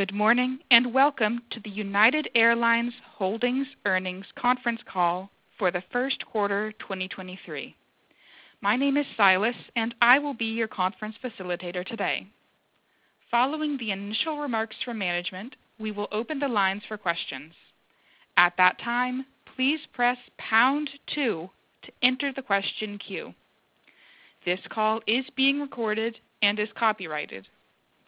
Good morning, welcome to the United Airlines Holdings Earnings Conference Call for the first quarter 2023. My name is Silas, and I will be your conference facilitator today. Following the initial remarks from management, we will open the lines for questions. At that time, please press pound two to enter the question queue. This call is being recorded and is copyrighted.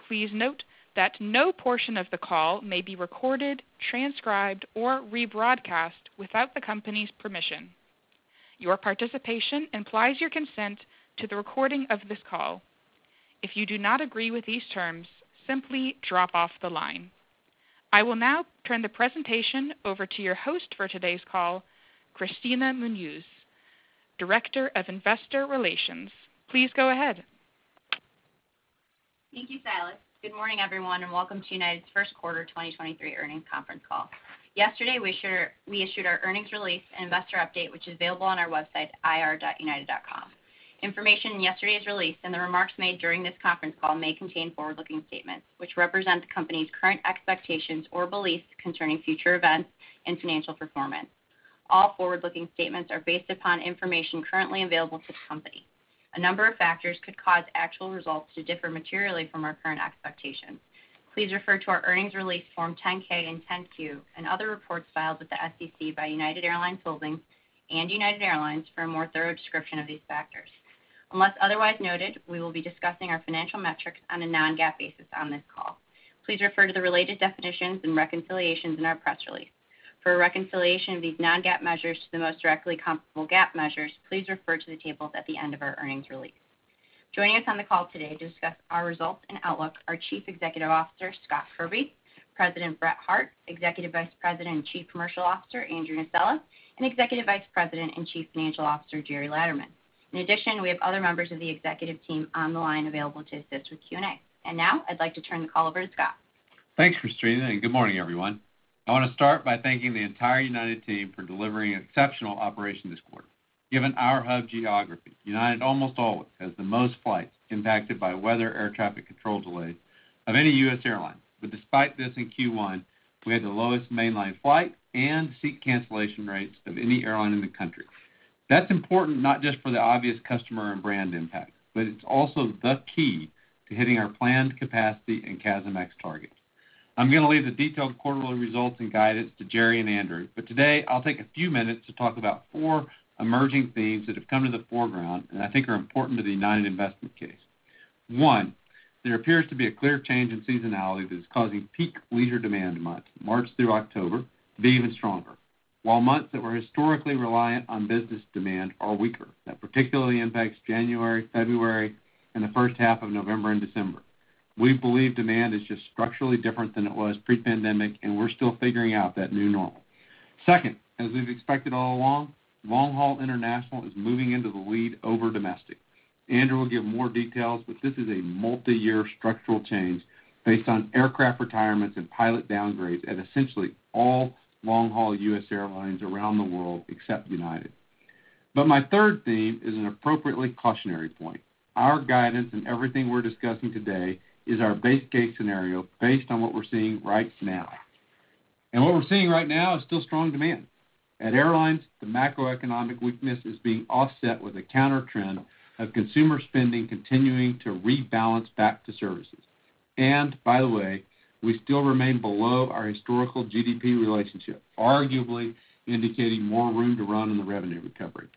Please note that no portion of the call may be recorded, transcribed, or rebroadcast without the company's permission. Your participation implies your consent to the recording of this call. If you do not agree with these terms, simply drop off the line. I will now turn the presentation over to your host for today's call, Kristina Munoz, Director of Investor Relations. Please go ahead. Thank you, Silas. Good morning, everyone, and welcome to United's first quarter 2023 earnings conference call. Yesterday, we issued our earnings release and investor update, which is available on our website, ir.united.com. Information in yesterday's release and the remarks made during this conference call may contain forward-looking statements, which represent the company's current expectations or beliefs concerning future events and financial performance. All forward-looking statements are based upon information currently available to the company. A number of factors could cause actual results to differ materially from our current expectations. Please refer to our earnings release Form 10-K and 10-Q and other reports filed with the SEC by United Airlines Holdings and United Airlines for a more thorough description of these factors. Unless otherwise noted, we will be discussing our financial metrics on a non-GAAP basis on this call. Please refer to the related definitions and reconciliations in our press release. For a reconciliation of these non-GAAP measures to the most directly comparable GAAP measures, please refer to the tables at the end of our earnings release. Joining us on the call today to discuss our results and outlook are Chief Executive Officer Scott Kirby, President Brett Hart, Executive Vice President and Chief Commercial Officer Andrew Nocella, and Executive Vice President and Chief Financial Officer Gerry Laderman. In addition, we have other members of the executive team on the line available to assist with Q&A. Now, I'd like to turn the call over to Scott. Thanks, Kristina. Good morning, everyone. I want to start by thanking the entire United team for delivering exceptional operation this quarter. Given our hub geography, United almost always has the most flights impacted by weather air traffic control delays of any US airline. Despite this, in Q1, we had the lowest mainline flight and seat cancellation rates of any airline in the country. That's important not just for the obvious customer and brand impact, but it's also the key to hitting our planned capacity and CASM-ex targets. I'm gonna leave the detailed quarterly results and guidance to Gerry and Andrew, but today I'll take a few minutes to talk about four emerging themes that have come to the foreground, and I think are important to the United investment case. One, there appears to be a clear change in seasonality that is causing peak leisure demand months, March through October, to be even stronger, while months that were historically reliant on business demand are weaker. That particularly impacts January, February, and the first half of November and December. We believe demand is just structurally different than it was pre-pandemic, and we're still figuring out that new normal. Second, as we've expected all along, long-haul international is moving into the lead over domestic. Andrew will give more details, but this is a multiyear structural change based on aircraft retirements and pilot downgrades at essentially all long-haul US airlines around the world except United. My third theme is an appropriately cautionary point. Our guidance and everything we're discussing today is our base case scenario based on what we're seeing right now. What we're seeing right now is still strong demand. At Airlines, the macroeconomic weakness is being offset with a countertrend of consumer spending continuing to rebalance back to services. By the way, we still remain below our historical GDP relationship, arguably indicating more room to run in the revenue recovery.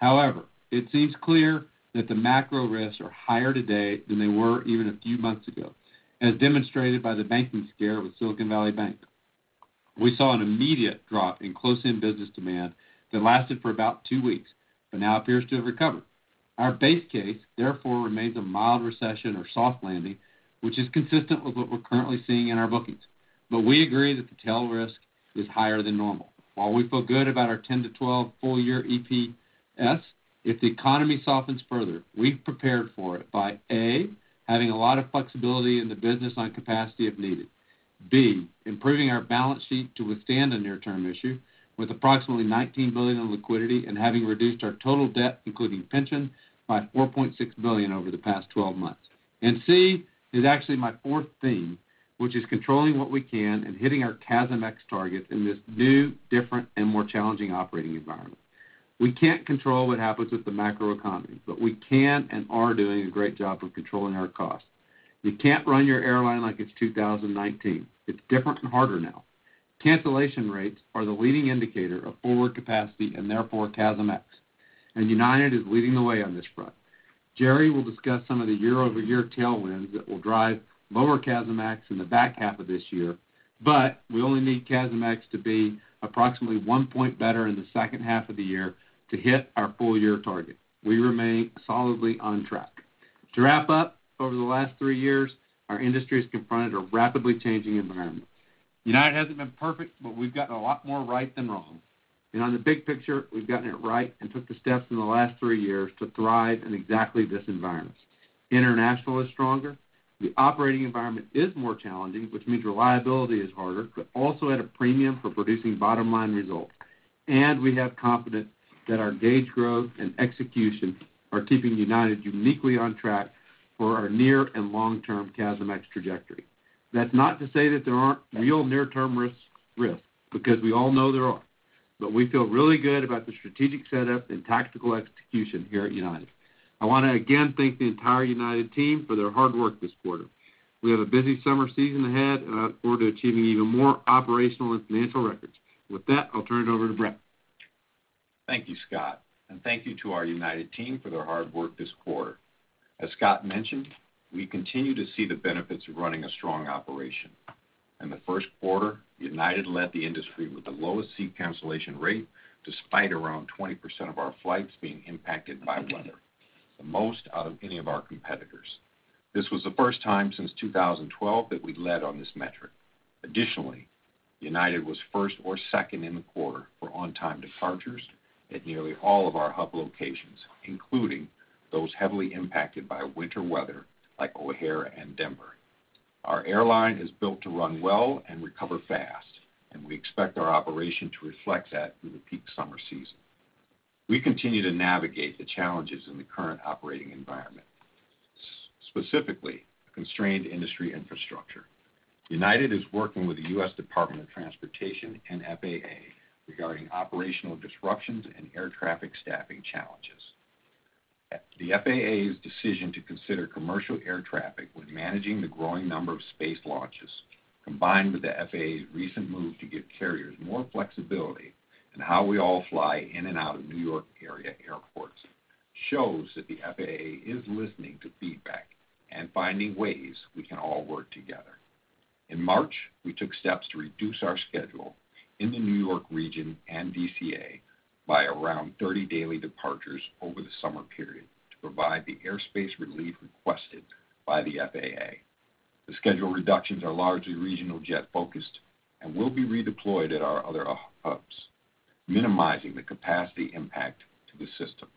However, it seems clear that the macro risks are higher today than they were even a few months ago, as demonstrated by the banking scare with Silicon Valley Bank. We saw an immediate drop in close-in business demand that lasted for about two weeks, but now appears to have recovered. Our base case, therefore, remains a mild recession or soft landing, which is consistent with what we're currently seeing in our bookings. We agree that the tail risk is higher than normal. While we feel good about our $10-$12 full year EPS, if the economy softens further, we've prepared for it by, A, having a lot of flexibility in the business on capacity if needed. B, improving our balance sheet to withstand a near-term issue with approximately $19 billion in liquidity and having reduced our total debt, including pension, by $4.6 billion over the past 12 months. C is actually my fourth theme, which is controlling what we can and hitting our CASM-ex targets in this new, different, and more challenging operating environment. We can't control what happens with the macro economy, but we can and are doing a great job of controlling our costs. You can't run your airline like it's 2019. It's different and harder now. Cancellation rates are the leading indicator of forward capacity and therefore CASM-ex, and United is leading the way on this front. Gerry will discuss some of the year-over-year tailwinds that will drive lower CASM-ex in the back half of this year, but we only need CASM-ex to be approximately 1 point better in the second half of the year to hit our full-year target. We remain solidly on track. To wrap up, over the last three years, our industry has confronted a rapidly changing environment. United hasn't been perfect, but we've gotten a lot more right than wrong. On the big picture, we've gotten it right and took the steps in the last three years to thrive in exactly this environment. International is stronger. The operating environment is more challenging, which means reliability is harder, but also at a premium for producing bottom-line results. We have confidence that our gauge growth and execution are keeping United uniquely on track for our near and long-term CASM-ex trajectory. That's not to say that there aren't real near-term risks because we all know there are. We feel really good about the strategic setup and tactical execution here at United. I wanna again thank the entire United team for their hard work this quarter. We have a busy summer season ahead, and I look forward to achieving even more operational and financial records. With that, I'll turn it over to Brett. Thank you, Scott, thank you to our United team for their hard work this quarter. As Scott mentioned, we continue to see the benefits of running a strong operation. In the first quarter, United led the industry with the lowest seat cancellation rate despite around 20% of our flights being impacted by weather, the most out of any of our competitors. This was the first time since 2012 that we led on this metric. Additionally, United was first or second in the quarter for on-time departures at nearly all of our hub locations, including those heavily impacted by winter weather, like O'Hare and Denver. Our airline is built to run well and recover fast. We expect our operation to reflect that through the peak summer season. We continue to navigate the challenges in the current operating environment, specifically constrained industry infrastructure. United is working with the US Department of Transportation and FAA regarding operational disruptions and air traffic staffing challenges. The FAA's decision to consider commercial air traffic when managing the growing number of space launches, combined with the FAA's recent move to give carriers more flexibility in how we all fly in and out of New York area airports, shows that the FAA is listening to feedback and finding ways we can all work together. In March, we took steps to reduce our schedule in the New York region and DCA by around 30 daily departures over the summer period to provide the airspace relief requested by the FAA. The schedule reductions are largely regional jet-focused and will be redeployed at our other hubs, minimizing the capacity impact to the system.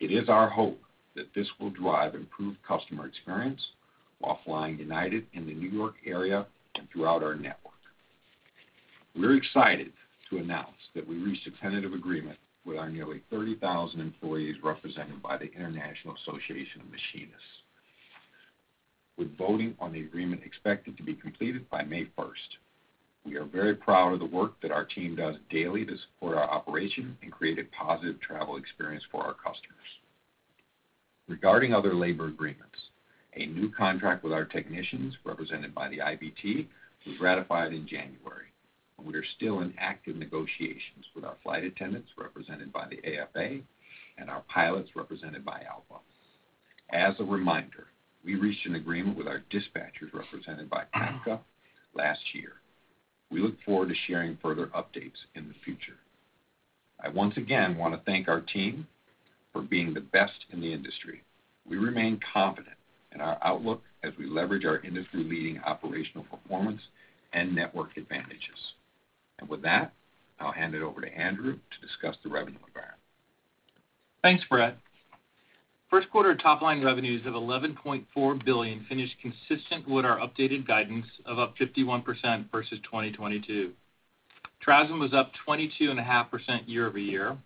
It is our hope that this will drive improved customer experience while flying United in the New York area and throughout our network. We're excited to announce that we reached a tentative agreement with our nearly 30,000 employees represented by the International Association of Machinists, with voting on the agreement expected to be completed by May 1st. We are very proud of the work that our team does daily to support our operation and create a positive travel experience for our customers. Regarding other labor agreements, a new contract with our technicians represented by the IBT was ratified in January, and we are still in active negotiations with our flight attendants represented by the AFA and our pilots represented by ALPA. As a reminder, we reached an agreement with our dispatchers represented by PAFCA last year. We look forward to sharing further updates in the future. I once again wanna thank our team for being the best in the industry. We remain confident in our outlook as we leverage our industry-leading operational performance and network advantages. With that, I'll hand it over to Andrew to discuss the revenue environment. Thanks, Brett. First quarter top-line revenues of $11.4 billion finished consistent with our updated guidance of up 51% versus 2022. TRASM was up 22.5% year-over-year.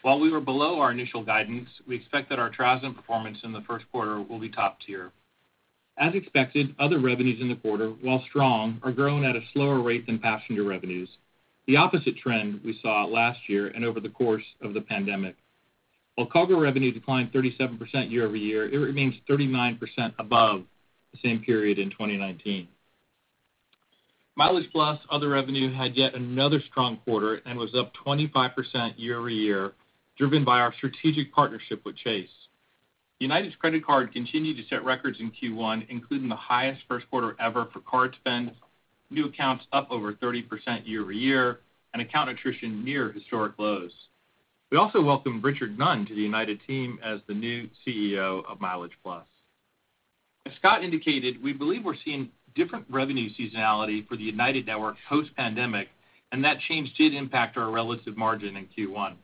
While we were below our initial guidance, we expect that our TRASM performance in the first quarter will be top tier. As expected, other revenues in the quarter, while strong, are growing at a slower rate than passenger revenues, the opposite trend we saw last year and over the course of the pandemic. While cargo revenue declined 37% year-over-year, it remains 39% above the same period in 2019. MileagePlus other revenue had yet another strong quarter and was up 25% year-over-year, driven by our strategic partnership with Chase. United's credit card continued to set records in Q1, including the highest first quarter ever for card spend, new accounts up over 30% year-over-year, and account attrition near historic lows. We also welcomed Richard Nunn to the United team as the new CEO of MileagePlus. As Scott indicated, we believe we're seeing different revenue seasonality for the United network post-pandemic, and that change did impact our relative margin in Q1.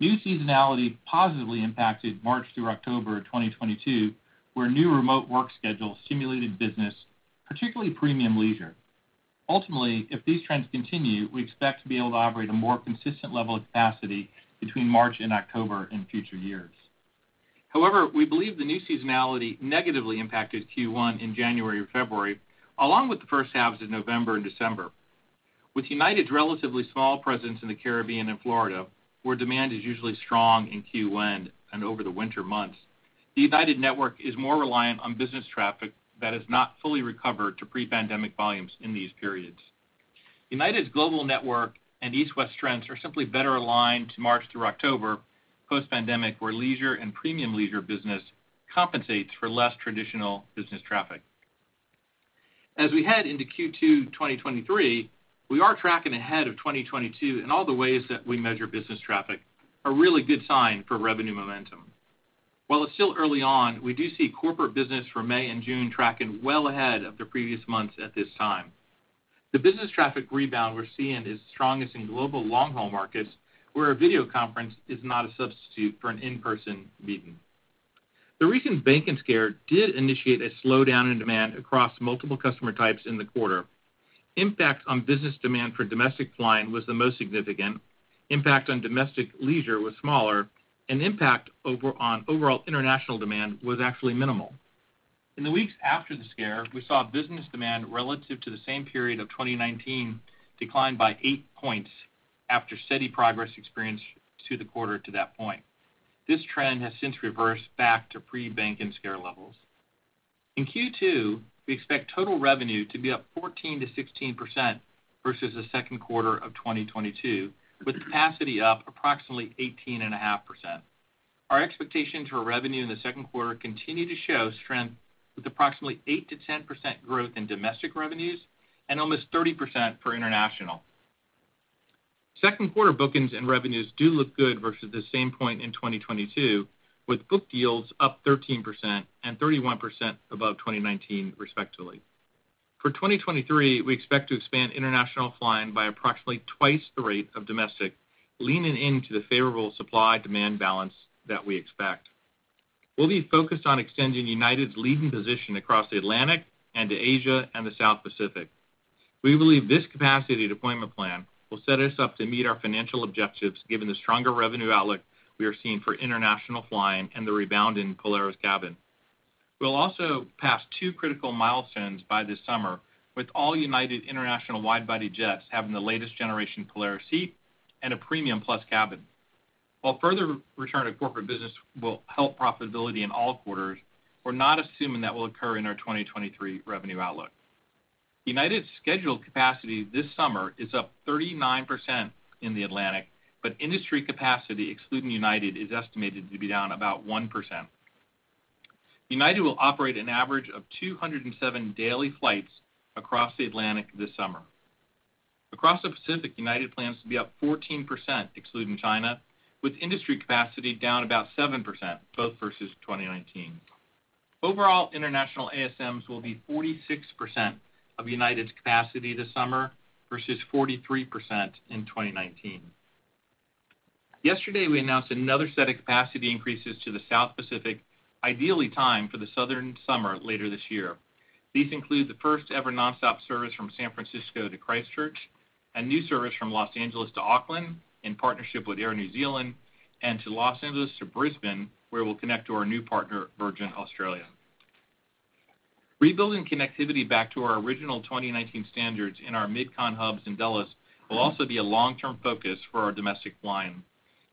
New seasonality positively impacted March through October of 2022, where new remote work schedules stimulated business, particularly premium leisure. Ultimately, if these trends continue, we expect to be able to operate a more consistent level of capacity between March and October in future years. However, we believe the new seasonality negatively impacted Q1 in January or February, along with the first halves of November and December. With United's relatively small presence in the Caribbean and Florida, where demand is usually strong in Q1 and over the winter months, the United network is more reliant on business traffic that has not fully recovered to pre-pandemic volumes in these periods. United's global network and East-West strengths are simply better aligned to March through October post-pandemic, where leisure and premium leisure business compensates for less traditional business traffic. As we head into Q2 2023, we are tracking ahead of 2022 in all the ways that we measure business traffic, a really good sign for revenue momentum. While it's still early on, we do see corporate business for May and June tracking well ahead of the previous months at this time. The business traffic rebound we're seeing is strongest in global long-haul markets, where a video conference is not a substitute for an in-person meeting. The recent banking scare did initiate a slowdown in demand across multiple customer types in the quarter. Impact on business demand for domestic flying was the most significant. Impact on domestic leisure was smaller, and impact on overall international demand was actually minimal. In the weeks after the scare, we saw business demand relative to the same period of 2019 decline by 8 points after steady progress experienced to the quarter to that point. This trend has since reversed back to pre-banking scare levels. In Q2, we expect total revenue to be up 14%-16% versus the second quarter of 2022, with capacity up approximately 18.5%. Our expectations for revenue in the second quarter continue to show strength with approximately 8%-10% growth in domestic revenues and almost 30% for international. Second quarter bookings and revenues do look good versus the same point in 2022, with book deals up 13% and 31% above 2019 respectively. For 2023, we expect to expand international flying by approximately twice the rate of domestic, leaning into the favorable supply-demand balance that we expect. We'll be focused on extending United's leading position across the Atlantic and to Asia and the South Pacific. We believe this capacity deployment plan will set us up to meet our financial objectives, given the stronger revenue outlook we are seeing for international flying and the rebound in Polaris cabin. We'll also pass two critical milestones by this summer, with all United International wide-body jets having the latest generation Polaris seat and a Premium Plus cabin. While further return to corporate business will help profitability in all quarters, we're not assuming that will occur in our 2023 revenue outlook. United's scheduled capacity this summer is up 39% in the Atlantic, but industry capacity, excluding United, is estimated to be down about 1%. United will operate an average of 207 daily flights across the Atlantic this summer. Across the Pacific, United plans to be up 14%, excluding China, with industry capacity down about 7%, both versus 2019. Overall, international ASMs will be 46% of United's capacity this summer versus 43% in 2019. Yesterday, we announced another set of capacity increases to the South Pacific, ideally timed for the southern summer later this year. These include the first-ever nonstop service from San Francisco to Christchurch, a new service from Los Angeles to Auckland in partnership with Air New Zealand, to Los Angeles to Brisbane, where we'll connect to our new partner, Virgin Australia. Rebuilding connectivity back to our original 2019 standards in our mid-con hubs in Dallas will also be a long-term focus for our domestic flying.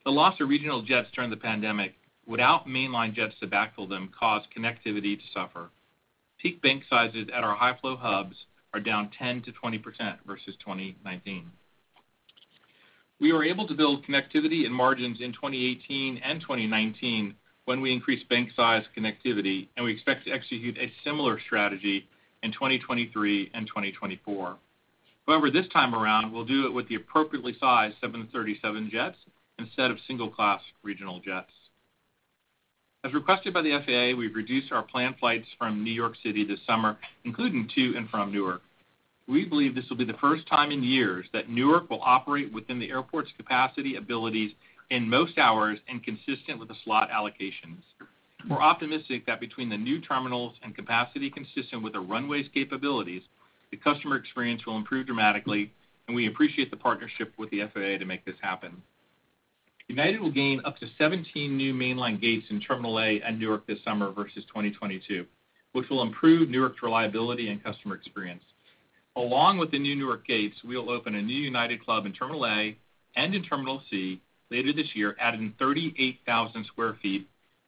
The loss of regional jets during the pandemic, without mainline jets to backfill them, caused connectivity to suffer. Peak bank sizes at our high-flow hubs are down 10%-20% versus 2019. We were able to build connectivity and margins in 2018 and 2019 when we increased bank size connectivity, we expect to execute a similar strategy in 2023 and 2024. However, this time around, we'll do it with the appropriately sized 737 jets instead of single-class regional jets. As requested by the FAA, we've reduced our planned flights from New York City this summer, including to and from Newark. We believe this will be the first time in years that Newark will operate within the airport's capacity abilities in most hours and consistent with the slot allocations. We're optimistic that between the new terminals and capacity consistent with the runways capabilities, the customer experience will improve dramatically, and we appreciate the partnership with the FAA to make this happen. United will gain up to 17 new mainline gates in Terminal A at Newark this summer versus 2022, which will improve Newark's reliability and customer experience. Along with the new Newark gates, we will open a new United Club in Terminal A and in Terminal C later this year, adding 38,000 sq ft.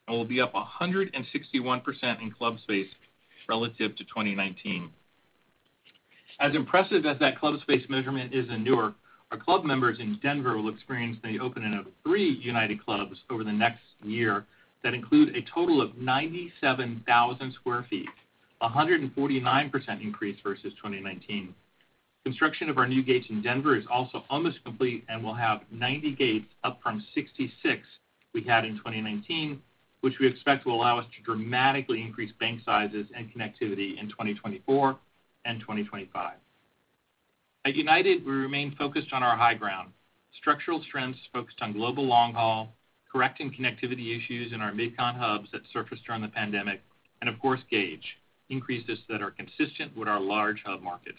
We'll be up 161% in club space relative to 2019. As impressive as that club space measurement is in Newark, our club members in Denver will experience the opening of three United Clubs over the next year that include a total of 97,000 sq ft, a 149% increase versus 2019. Construction of our new gates in Denver is also almost complete. Will have 90 gates up from 66 we had in 2019, which we expect will allow us to dramatically increase bank sizes and connectivity in 2024 and 2025. At United, we remain focused on our high ground. Structural strengths focused on global long haul, correcting connectivity issues in our mid-con hubs that surfaced during the pandemic, and of course, gauge increases that are consistent with our large hub markets.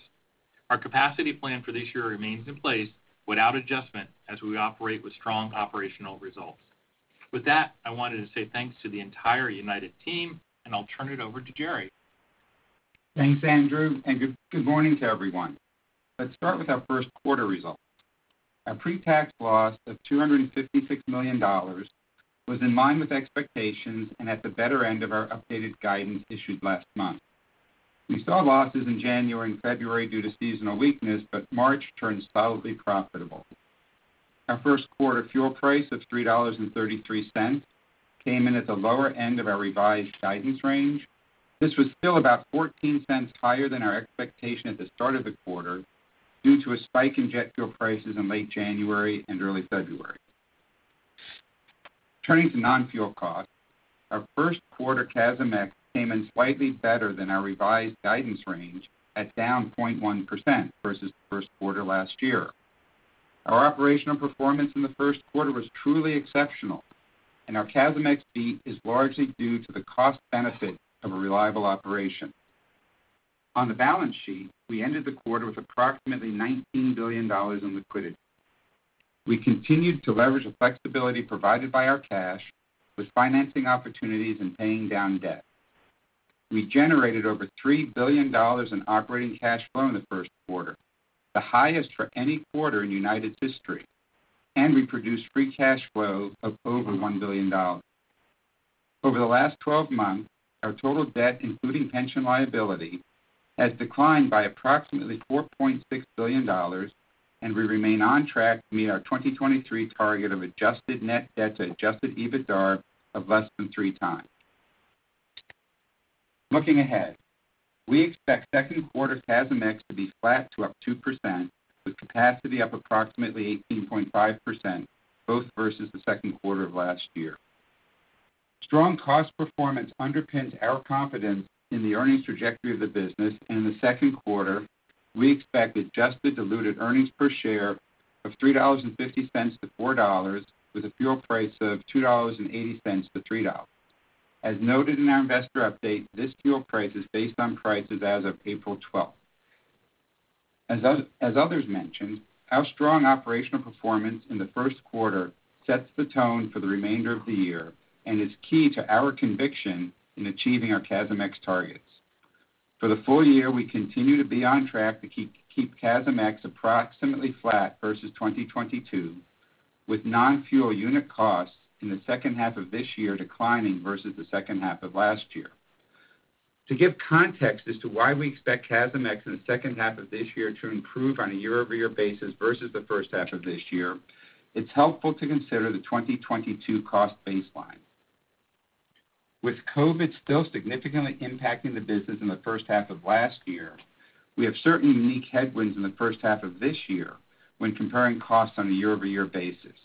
Our capacity plan for this year remains in place without adjustment as we operate with strong operational results. With that, I wanted to say thanks to the entire United team, and I'll turn it over to Gerry. Thanks, Andrew, and good morning to everyone. Let's start with our first quarter results. Our pre-tax loss of $256 million was in line with expectations and at the better end of our updated guidance issued last month. We saw losses in January and February due to seasonal weakness, March turned solidly profitable. Our first quarter fuel price of $3.33 came in at the lower end of our revised guidance range. This was still about $0.14 higher than our expectation at the start of the quarter due to a spike in jet fuel prices in late January and early February. Turning to non-fuel costs, our first quarter CASM-ex came in slightly better than our revised guidance range at down 0.1% versus the first quarter last year. Our operational performance in the first quarter was truly exceptional, and our CASM-ex beat is largely due to the cost benefit of a reliable operation. On the balance sheet, we ended the quarter with approximately $19 billion in liquidity. We continued to leverage the flexibility provided by our cash with financing opportunities and paying down debt. We generated over $3 billion in operating cash flow in the first quarter, the highest for any quarter in United's history, and we produced free cash flow of over $1 billion. Over the last 12 months, our total debt, including pension liability, has declined by approximately $4.6 billion. We remain on track to meet our 2023 target of adjusted net debt to adjusted EBITDAR of less than 3x. Looking ahead, we expect second quarter CASM-ex to be flat to up 2%, with capacity up approximately 18.5%, both versus the second quarter of last year. Strong cost performance underpins our confidence in the earnings trajectory of the business. In the second quarter, we expect adjusted diluted earnings per share of $3.50-$4.00, with a fuel price of $2.80-$3.00. As noted in our investor update, this fuel price is based on prices as of April 12th. As others mentioned, our strong operational performance in the first quarter sets the tone for the remainder of the year and is key to our conviction in achieving our CASM-ex targets. For the full year, we continue to be on track to keep CASM-ex approximately flat versus 2022, with non-fuel unit costs in the second half of this year declining versus the second half of last year. To give context as to why we expect CASM-ex in the second half of this year to improve on a year-over-year basis versus the first half of this year, it's helpful to consider the 2022 cost baseline. With COVID still significantly impacting the business in the first half of last year, we have certain unique headwinds in the first half of this year when comparing costs on a year-over-year basis.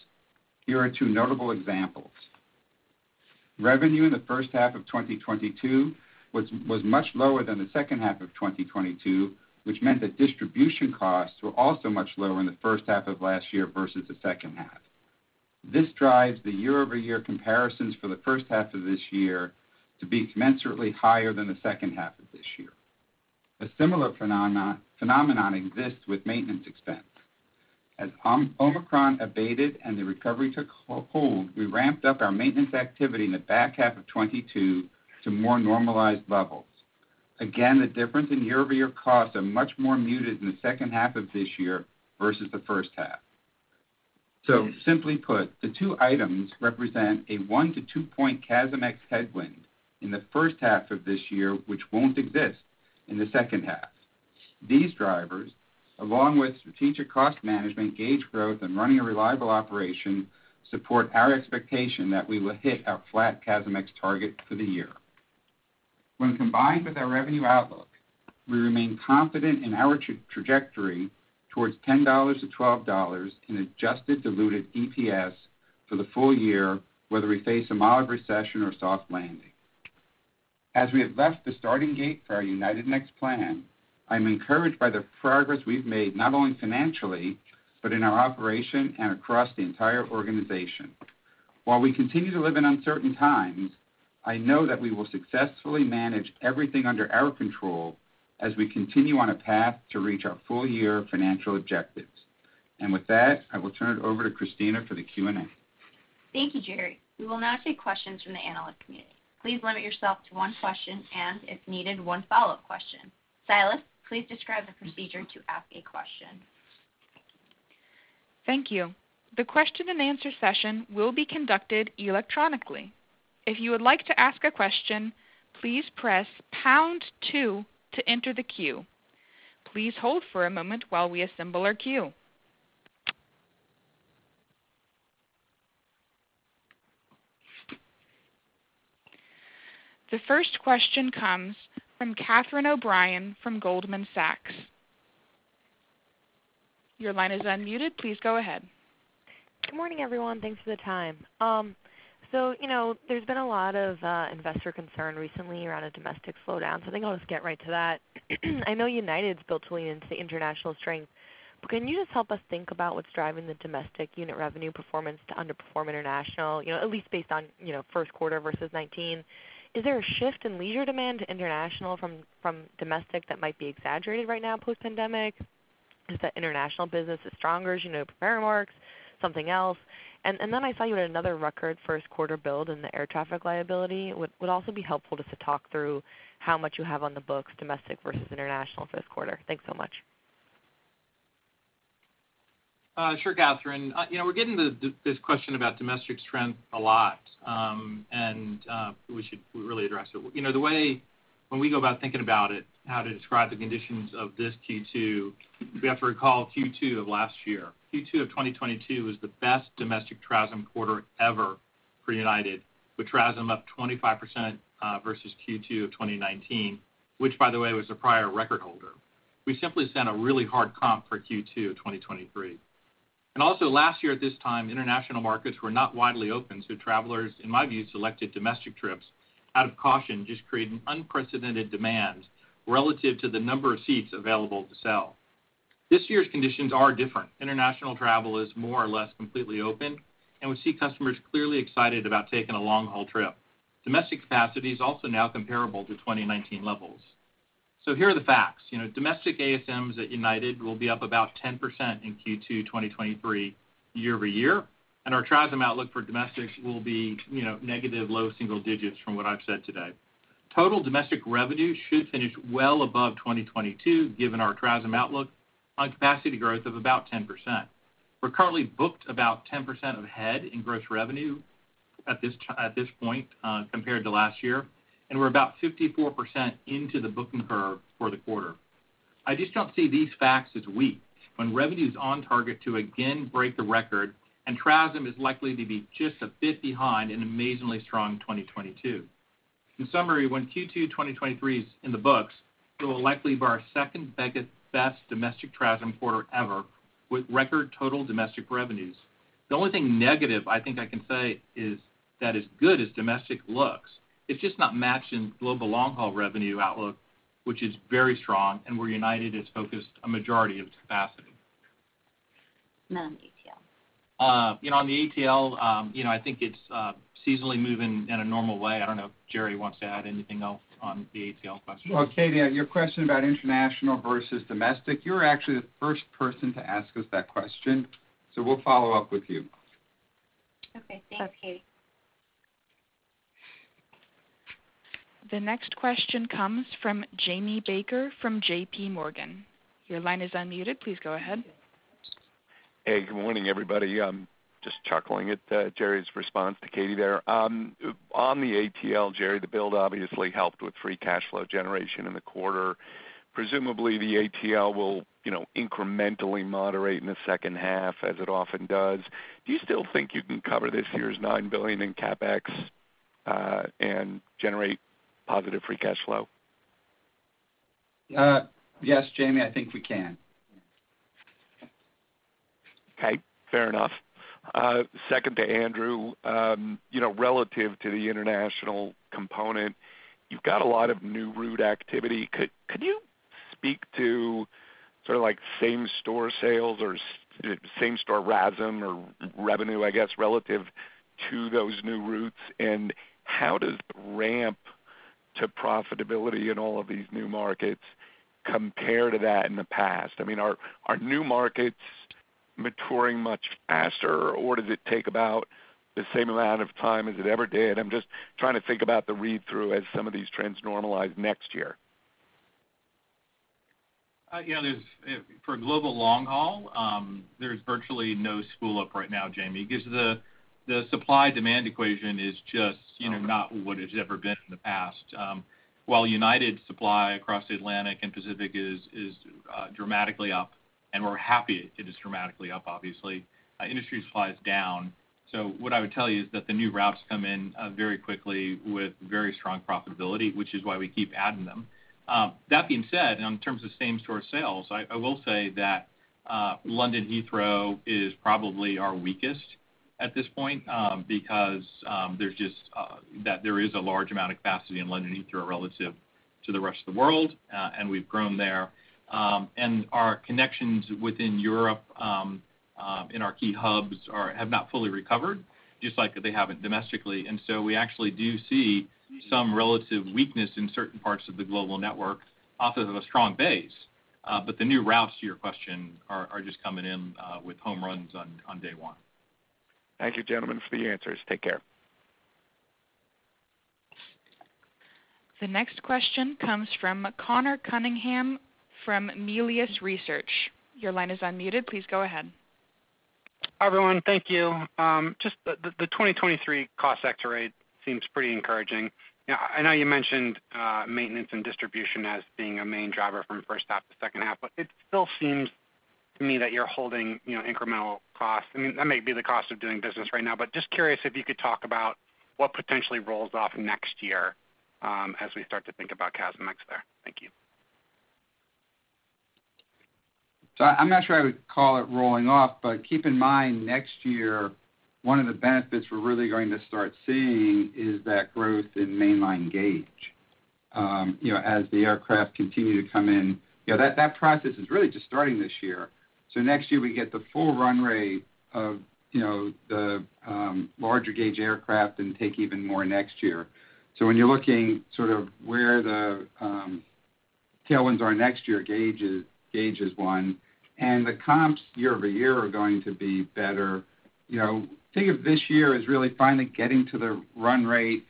Here are two notable examples. Revenue in the first half of 2022 was much lower than the second half of 2022, which meant that distribution costs were also much lower in the first half of last year versus the second half. This drives the year-over-year comparisons for the first half of this year to be commensurately higher than the second half of this year. A similar phenomenon exists with maintenance expense. As omicron abated and the recovery took hold, we ramped up our maintenance activity in the back half of 2022 to more normalized levels. Again, the difference in year-over-year costs are much more muted in the second half of this year versus the first half. Simply put, the two items represent a 1-2 point CASM-ex headwind in the first half of this year, which won't exist in the second half. These drivers, along with strategic cost management, gauge growth, and running a reliable operation, support our expectation that we will hit our flat CASM-ex target for the year. When combined with our revenue outlook, we remain confident in our trajectory towards $10-$12 in adjusted diluted EPS for the full year, whether we face a mild recession or soft landing. As we have left the starting gate for our United Next plan, I'm encouraged by the progress we've made, not only financially, but in our operation and across the entire organization. While we continue to live in uncertain times, I know that we will successfully manage everything under our control as we continue on a path to reach our full-year financial objectives. With that, I will turn it over to Kristina for the Q&A. Thank you, Gerry. We will now take questions from the analyst community. Please limit yourself to one question and, if needed, one follow-up question. Silas, please describe the procedure to ask a question. Thank you. The question-and-answer session will be conducted electronically. If you would like to ask a question, please press pound two to enter the queue. Please hold for a moment while we assemble our queue. The first question comes from Catherine O'Brien from Goldman Sachs. Your line is unmuted. Please go ahead. Good morning, everyone. Thanks for the time. You know, there's been a lot of investor concern recently around a domestic slowdown, so I think I'll just get right to that. I know United's built to lean into the international strength. Can you just help us think about what's driving the domestic unit revenue performance to underperform international, you know, at least based on, you know, first quarter versus 2019? Is there a shift in leisure demand to international from domestic that might be exaggerated right now post-pandemic? Is the international business as strong as you had prepared for? Something else? I saw you had another record first quarter build in the Air Traffic Liability. Would also be helpful just to talk through how much you have on the books domestic versus international for this quarter. Thanks so much. Sure, Catherine. You know, we're getting this question about domestic strength a lot, and we really address it. You know, the way when we go about thinking about it, how to describe the conditions of this Q2, we have to recall Q2 of last year. Q2 of 2022 was the best domestic TRASM quarter ever for United, with TRASM up 25%, versus Q2 of 2019, which by the way, was the prior record holder. We simply set a really hard comp for Q2 of 2023. Also last year at this time, international markets were not widely open, so travelers, in my view, selected domestic trips out of caution, just creating unprecedented demand relative to the number of seats available to sell. This year's conditions are different. International travel is more or less completely open, and we see customers clearly excited about taking a long-haul trip. Domestic capacity is also now comparable to 2019 levels. Here are the facts. You know, domestic ASMs at United will be up about 10% in Q2 2023 year-over-year, and our TRASM outlook for domestics will be, you know, negative low-single digits from what I've said today. Total domestic revenue should finish well above 2022, given our TRASM outlook on capacity growth of about 10%. We're currently booked about 10% ahead in gross revenue at this point, compared to last year, and we're about 54% into the booking curve for the quarter. I just don't see these facts as weak when revenue is on target to again break the record and TRASM is likely to be just a bit behind an amazingly strong 2022. In summary, when Q2 2023 is in the books, it will likely be our second best domestic TRASM quarter ever with record total domestic revenues. The only thing negative I think I can say is that as good as domestic looks, it's just not matching global long-haul revenue outlook, which is very strong, and where United is focused a majority of its capacity. Then on ATL. You know, on the ATL, you know, I think it's seasonally moving in a normal way. I don't know if Gerry wants to add anything else on the ATL question. Well, Catie, your question about international versus domestic, you're actually the first person to ask us that question, so we'll follow up with you. Okay. Thanks, Catie. The next question comes from Jamie Baker from JPMorgan. Your line is unmuted. Please go ahead. Hey, good morning, everybody. I'm just chuckling at Gerry's response to Catie there. On the ATL, Gerry, the build obviously helped with free cash flow generation in the quarter. Presumably, the ATL will, you know, incrementally moderate in the second half as it often does. Do you still think you can cover this year's $9 billion in CapEx and generate positive free cash flow? Yes, Jamie, I think we can. Okay, fair enough. Second to Andrew, you know, relative to the international component, you've got a lot of new route activity. Could you speak to sort of like same-store sales or same-store RASM or revenue, I guess, relative to those new routes? How does the ramp to profitability in all of these new markets compare to that in the past? I mean, are new markets maturing much faster, or does it take about the same amount of time as it ever did? I'm just trying to think about the read-through as some of these trends normalize next year. You know, there's for global long haul, there's virtually no spool up right now, Jamie, because the supply-demand equation is just, you know, not what it's ever been in the past. While United supply across the Atlantic and Pacific is dramatically up, and we're happy it is dramatically up, obviously, industry supply is down. What I would tell you is that the new routes come in very quickly with very strong profitability, which is why we keep adding them. That being said, in terms of same-store sales, I will say that London Heathrow is probably our weakest at this point, because there's just that there is a large amount of capacity in London Heathrow relative to the rest of the world, and we've grown there. Our connections within Europe, in our key hubs have not fully recovered, just like they haven't domestically. We actually do see some relative weakness in certain parts of the global network off of a strong base. The new routes to your question are just coming in, with home runs on day one. Thank you, gentlemen, for the answers. Take care. The next question comes from Conor Cunningham from Melius Research. Your line is unmuted. Please go ahead. Hi, everyone. Thank you. just the 2023 cost sector rate seems pretty encouraging. I know you mentioned maintenance and distribution as being a main driver from first half to second half, but it still seems to me that you're holding, you know, incremental costs. I mean, that may be the cost of doing business right now, but just curious if you could talk about what potentially rolls off next year, as we start to think about CASM-ex there. Thank you. I'm not sure I would call it rolling off, but keep in mind, next year, one of the benefits we're really going to start seeing is that growth in mainline gauge, you know, as the aircraft continue to come in. You know, that process is really just starting this year. Next year, we get the full run rate of, you know, the larger gauge aircraft and take even more next year. When you're looking sort of where the tailwinds are next year, gauge is one, and the comps year-over-year are going to be better. You know, think of this year as really finally getting to the run rate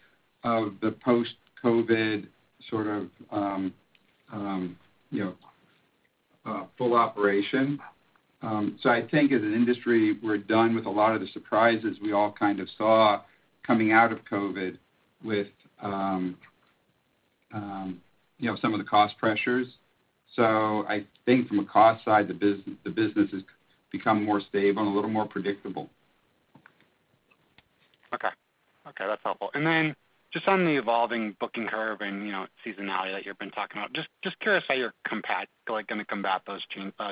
of the post-COVID sort of, you know, full operation. I think as an industry, we're done with a lot of the surprises we all kind of saw coming out of COVID with, some of the cost pressures. I think from a cost side, the business has become more stable and a little more predictable. Okay, that's helpful. Then just on the evolving booking curve and, you know, seasonality that you've been talking about, just curious how you're gonna combat those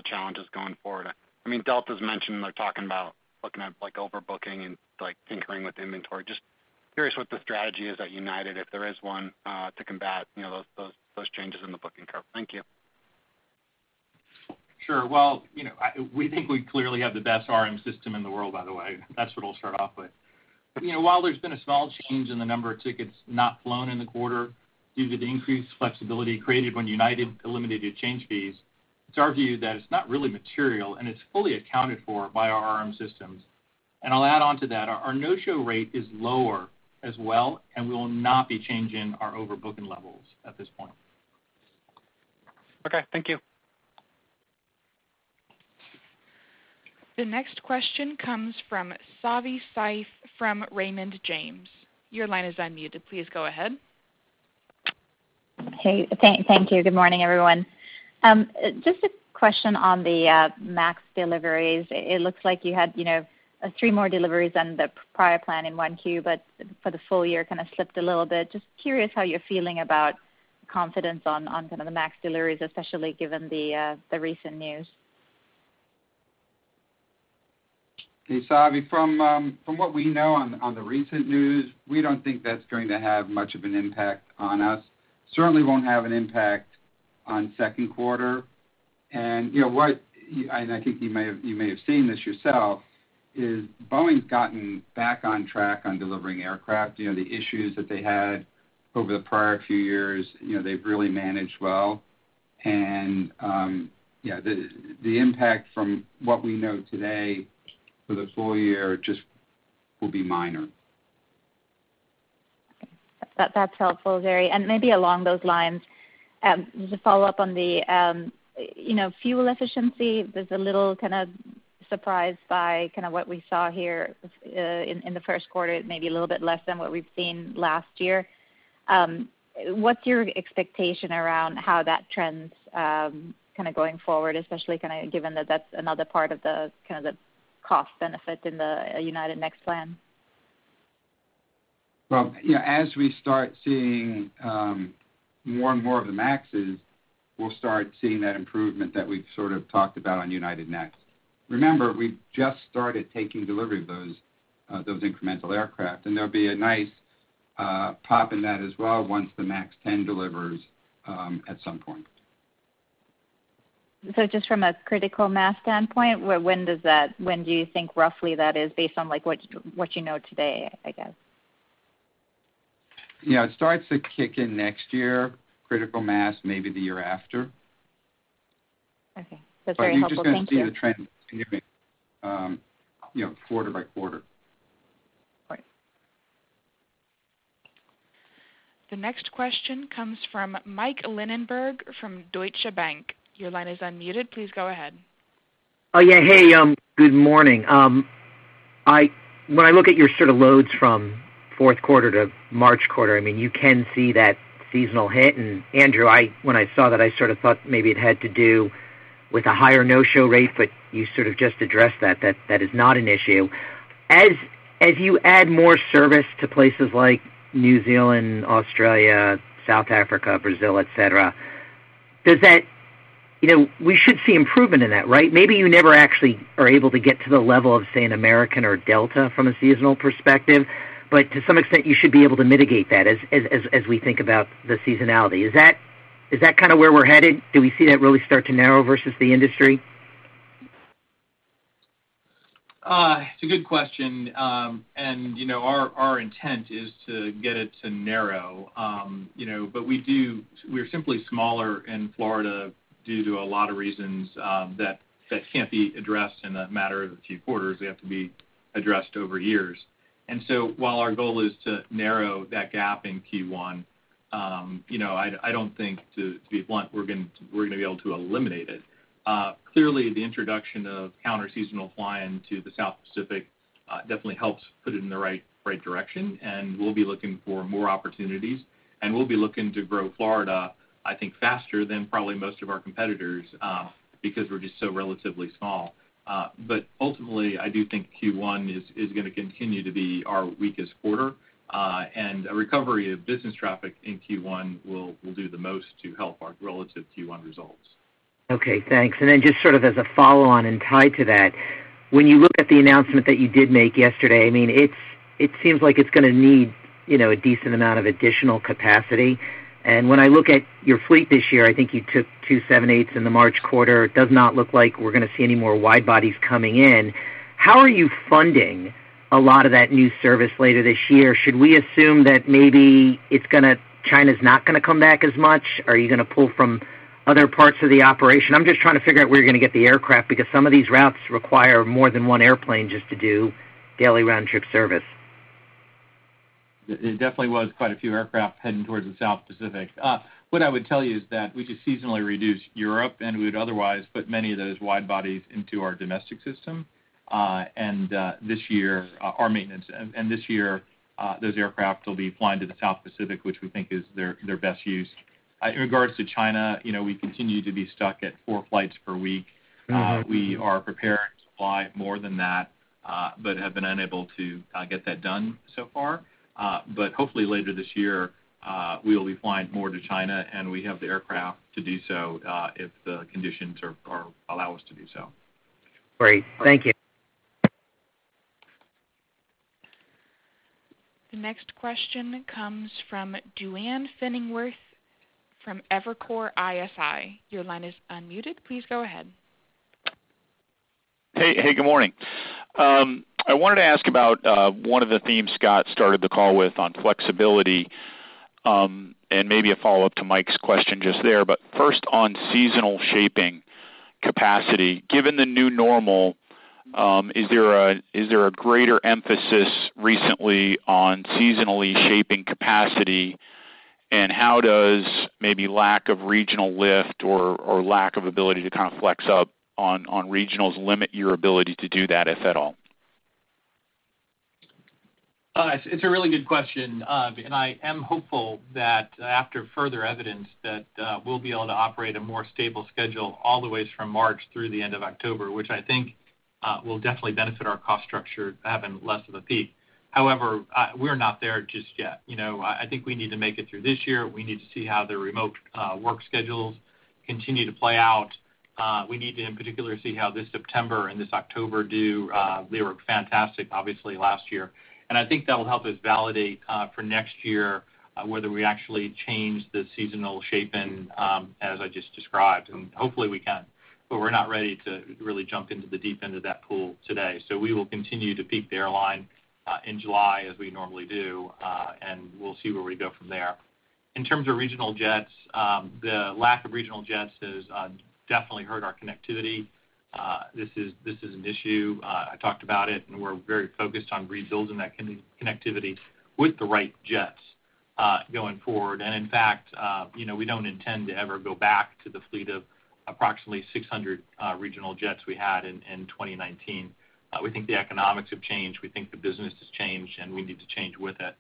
challenges going forward. I mean, Delta's mentioned they're talking about looking at, like, overbooking and, like, tinkering with inventory. Just curious what the strategy is at United, if there is one, to combat, you know, those changes in the booking curve. Thank you. Sure. Well, you know, we think we clearly have the best RM system in the world, by the way. That's what I'll start off with. You know, while there's been a small change in the number of tickets not flown in the quarter due to the increased flexibility created when United eliminated change fees, it's our view that it's not really material, and it's fully accounted for by our RM systems. I'll add on to that, our no-show rate is lower as well, and we will not be changing our overbooking levels at this point. Okay. Thank you. The next question comes from Savi Syth from Raymond James. Your line is unmuted. Please go ahead. Hey, thank you. Good morning, everyone. Just a question on the MAX deliveries. It looks like you had, you know, three more deliveries than the prior plan in 1Q, for the full year, kind of slipped a little bit. Just curious how you're feeling about confidence on kind of the MAX deliveries, especially given the recent news. Hey, Savi. From what we know on the recent news, we don't think that's going to have much of an impact on us. Certainly won't have an impact on second quarter. You know, and I think you may have seen this yourself, is Boeing's gotten back on track on delivering aircraft. You know, the issues that they had over the prior few years, they've really managed well. Yeah, the impact from what we know today for the full year just will be minor. Okay. That's helpful, Gerry. Maybe along those lines, just to follow up on the, you know, fuel efficiency. There's a little kind of surprised by kind of what we saw here in the first quarter, maybe a little bit less than what we've seen last year. What's your expectation around how that trends kind of going forward, especially kinda given that that's another part of the, kind of the cost benefit in the United Next plan? Well, you know, as we start seeing more and more of the MAXs, we'll start seeing that improvement that we've sort of talked about on United Next. Remember, we just started taking delivery of those incremental aircraft, and there'll be a nice, pop in that as well once the MAX 10 delivers at some point. Just from a critical mass standpoint, when do you think roughly that is based on what you know today, I guess? Yeah, it starts to kick in next year. Critical mass, maybe the year after. Okay. That's very helpful. Thank you. You're just gonna see the trend continuing, you know, quarter by quarter. Right. The next question comes from Mike Linenberg from Deutsche Bank. Your line is unmuted. Please go ahead. Oh, yeah. Hey, good morning. When I look at your sort of loads from fourth quarter to March quarter, I mean, you can see that seasonal hit. Andrew, when I saw that, I sort of thought maybe it had to do with a higher no-show rate, but you sort of just addressed that that is not an issue. As you add more service to places like New Zealand, Australia, South Africa, Brazil, et cetera, you know, we should see improvement in that, right? Maybe you never actually are able to get to the level of, say, an American or Delta from a seasonal perspective, but to some extent, you should be able to mitigate that as we think about the seasonality. Is that kind of where we're headed? Do we see that really start to narrow versus the industry? It's a good question. You know, our intent is to get it to narrow. You know, but we're simply smaller in Florida due to a lot of reasons that can't be addressed in a matter of a few quarters. They have to be addressed over years. While our goal is to narrow that gap in Q1, you know, I don't think, to be blunt, we're gonna be able to eliminate it. Clearly the introduction of counter-seasonal flying to the South Pacific, definitely helps put it in the right direction, and we'll be looking for more opportunities. We'll be looking to grow Florida, I think, faster than probably most of our competitors, because we're just so relatively small. Ultimately, I do think Q1 is gonna continue to be our weakest quarter. A recovery of business traffic in Q1 will do the most to help our relative Q1 results. Okay, thanks. Just sort of as a follow-on and tied to that, when you look at the announcement that you did make yesterday, I mean, it seems like it's gonna need, you know, a decent amount of additional capacity. When I look at your fleet this year, I think you took two 787s in the March quarter. It does not look like we're gonna see any more wide-bodies coming in. How are you funding a lot of that new service later this year? Should we assume that maybe China's not gonna come back as much? Are you gonna pull from other parts of the operation? I'm just trying to figure out where you're gonna get the aircraft because some of these routes require more than one airplane just to do daily round-trip service. It definitely was quite a few aircraft heading towards the South Pacific. What I would tell you is that we just seasonally reduced Europe, and we would otherwise put many of those wide-bodies into our domestic system. This year, those aircraft will be flying to the South Pacific, which we think is their best use. In regards to China, you know, we continue to be stuck at four flights per week. Mm-hmm. We are prepared to fly more than that but have been unable to get that done so far. Hopefully later this year, we will be flying more to China, and we have the aircraft to do so, if the conditions allow us to do so. Great. Thank you. The next question comes from Duane Pfennigwerth from Evercore ISI. Your line is unmuted. Please go ahead. Hey, hey, good morning. I wanted to ask about one of the themes Scott started the call with on flexibility, and maybe a follow-up to Mike's question just there. First, on seasonal shaping capacity, given the new normal, is there a greater emphasis recently on seasonally shaping capacity? How does maybe lack of regional lift or lack of ability to kind of flex up on regionals limit your ability to do that, if at all? It's a really good question. I am hopeful that after further evidence that we'll be able to operate a more stable schedule all the way from March through the end of October, which I think will definitely benefit our cost structure having less of a peak. However, we're not there just yet. You know, I think we need to make it through this year. We need to see how the remote work schedules continue to play out. We need to in particular see how this September and this October do. They were fantastic, obviously, last year. I think that will help us validate for next year whether we actually change the seasonal shaping as I just described. Hopefully we can, but we're not ready to really jump into the deep end of that pool today. We will continue to peak the airline in July as we normally do, and we'll see where we go from there. In terms of regional jets, the lack of regional jets has definitely hurt our connectivity. This is an issue. I talked about it, and we're very focused on rebuilding that connectivity with the right jets going forward. In fact, you know, we don't intend to ever go back to the fleet of approximately 600 regional jets we had in 2019. We think the economics have changed, we think the business has changed, and we need to change with it.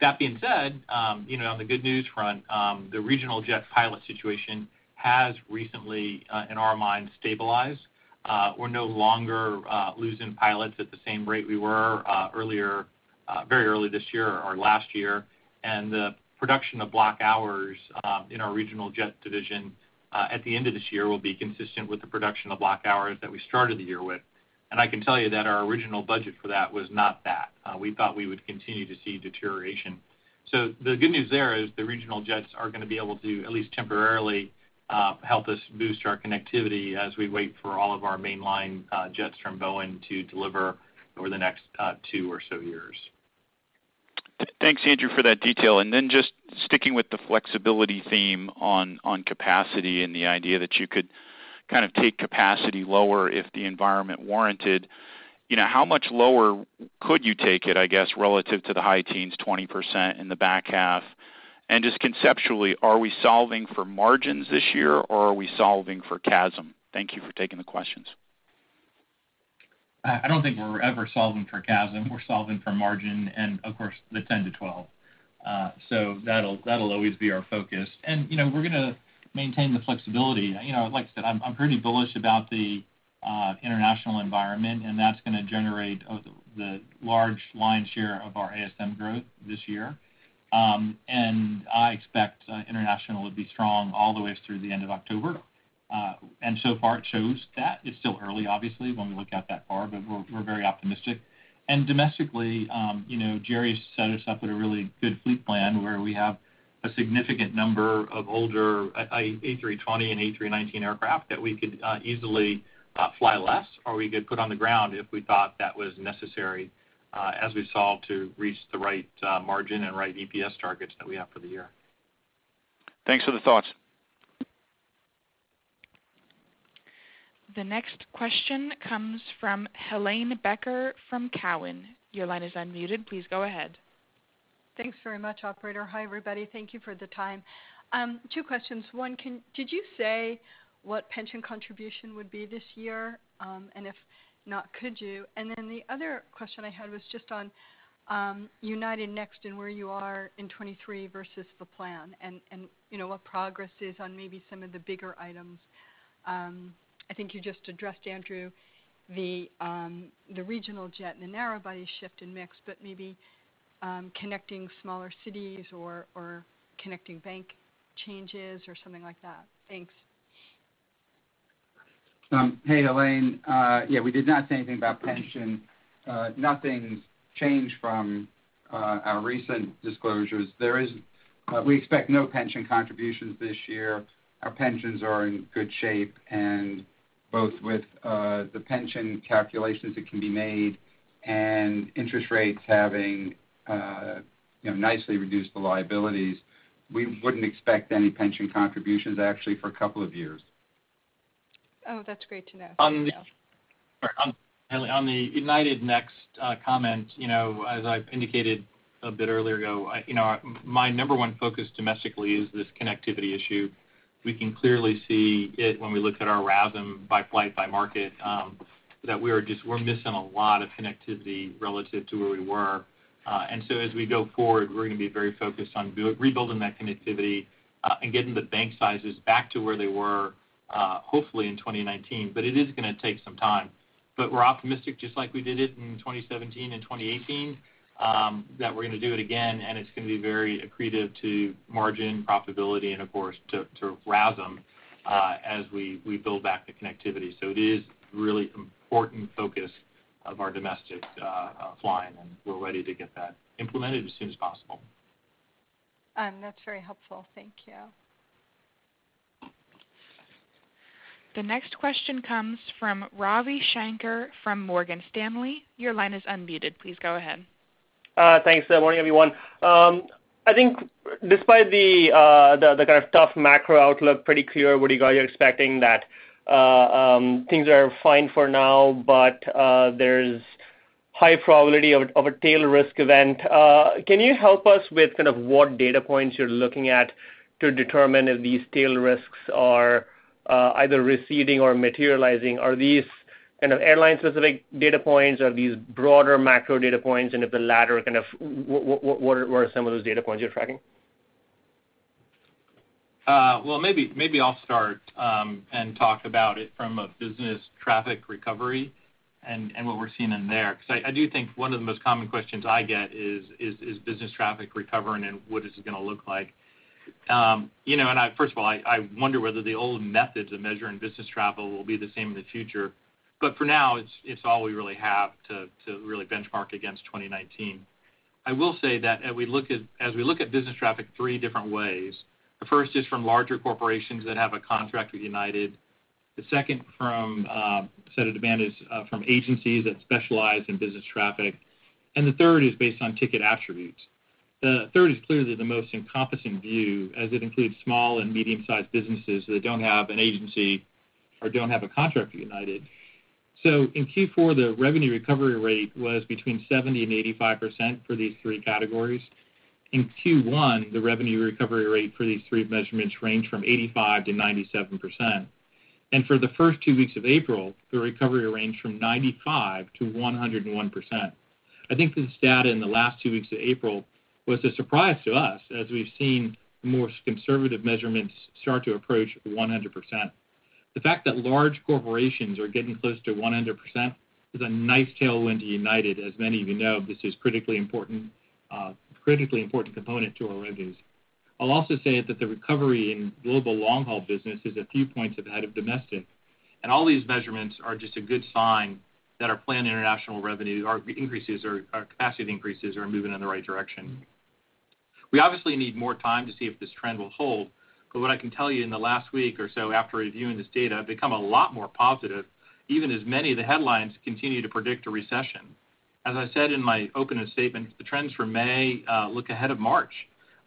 That being said, you know, on the good news front, the regional jet pilot situation has recently, in our mind, stabilized. We're no longer losing pilots at the same rate we were earlier, very early this year or last year. The production of block hours in our regional jet division at the end of this year will be consistent with the production of block hours that we started the year with. I can tell you that our original budget for that was not that. We thought we would continue to see deterioration. The good news there is the regional jets are gonna be able to, at least temporarily, help us boost our connectivity as we wait for all of our mainline jets from Boeing to deliver over the next two or so years. Thanks, Andrew, for that detail. Just sticking with the flexibility theme on capacity and the idea that you could kind of take capacity lower if the environment warranted, you know, how much lower could you take it, I guess, relative to the high teens, 20% in the back half? Just conceptually, are we solving for margins this year, or are we solving for CASM? Thank you for taking the questions. I don't think we're ever solving for CASM. We're solving for margin and of course, the 10%-12%. That'll always be our focus. You know, we're gonna maintain the flexibility. You know, like I said, I'm pretty bullish about the international environment, and that's gonna generate the large lion's share of our ASM growth this year. I expect international to be strong all the way through the end of October. So far it shows that. It's still early, obviously, when we look out that far, but we're very optimistic. Domestically, you know, Gerry set us up with a really good fleet plan where we have a significant number of older, A320 and A319 aircraft that we could easily fly less or we could put on the ground if we thought that was necessary, as we solve to reach the right margin and right EPS targets that we have for the year. Thanks for the thoughts. The next question comes from Helane Becker from Cowen. Your line is unmuted. Please go ahead. Thanks very much, operator. Hi, everybody. Thank you for the time. Two questions. One, did you say what pension contribution would be this year? If not, could you? The other question I had was just on United Next and where you are in 2023 versus the plan and, you know, what progress is on maybe some of the bigger items. I think you just addressed, Andrew, the regional jet and the narrow body shift in mix, but maybe connecting smaller cities or connecting bank changes or something like that. Thanks. Hey, Helane. Yeah, we did not say anything about pension. Nothing's changed from our recent disclosures. We expect no pension contributions this year. Our pensions are in good shape, and both with the pension calculations that can be made and interest rates having, you know, nicely reduced the liabilities, we wouldn't expect any pension contributions actually for a couple of years. Oh, that's great to know. On the United Next comment, you know, as I indicated a bit earlier ago, you know, my number one focus domestically is this connectivity issue. We can clearly see it when we look at our RASM by flight, by market, that we're missing a lot of connectivity relative to where we were. As we go forward, we're gonna be very focused on rebuilding that connectivity and getting the bank sizes back to where they were, hopefully in 2019, but it is gonna take some time. We're optimistic, just like we did it in 2017 and 2018, that we're gonna do it again, and it's gonna be very accretive to margin profitability and of course to RASM, as we build back the connectivity. It is really important focus of our domestic flying, and we're ready to get that implemented as soon as possible. That's very helpful. Thank you. The next question comes from Ravi Shanker from Morgan Stanley. Your line is unmuted. Please go ahead. Thanks. Good morning, everyone. I think despite the kind of tough macro outlook, pretty clear what you guys are expecting that things are fine for now, but there's high probability of a tail risk event. Can you help us with kind of what data points you're looking at to determine if these tail risks are either receding or materializing? Are these kind of airline-specific data points? Are these broader macro data points? If the latter, kind of what are some of those data points you're tracking? Maybe I'll start and talk about it from a business traffic recovery and what we're seeing in there because I do think one of the most common questions I get is business traffic recovering and what is it gonna look like. You know, first of all, I wonder whether the old methods of measuring business travel will be the same in the future. For now, it's all we really have to really benchmark against 2019. I will say that as we look at business traffic three different ways. The first is from larger corporations that have a contract with United. The second from set of demand is from agencies that specialize in business traffic. The third is based on ticket attributes. The third is clearly the most encompassing view, as it includes small and medium-sized businesses that don't have an agency or don't have a contract with United. In Q4, the revenue recovery rate was between 70% and 85% for these three categories. In Q1, the revenue recovery rate for these three measurements ranged from 85%-97%. For the first two weeks of April, the recovery ranged from 95%-101%. I think this data in the last two weeks of April was a surprise to us as we've seen more conservative measurements start to approach 100%. The fact that large corporations are getting close to 100% is a nice tailwind to United. Many of you know, this is critically important component to our revenues. I'll also say that the recovery in global long-haul business is a few points ahead of domestic. All these measurements are just a good sign that our planned international revenue, our increases or our capacity increases are moving in the right direction. We obviously need more time to see if this trend will hold, but what I can tell you in the last week or so after reviewing this data, I've become a lot more positive, even as many of the headlines continue to predict a recession. As I said in my opening statement, the trends for May look ahead of March.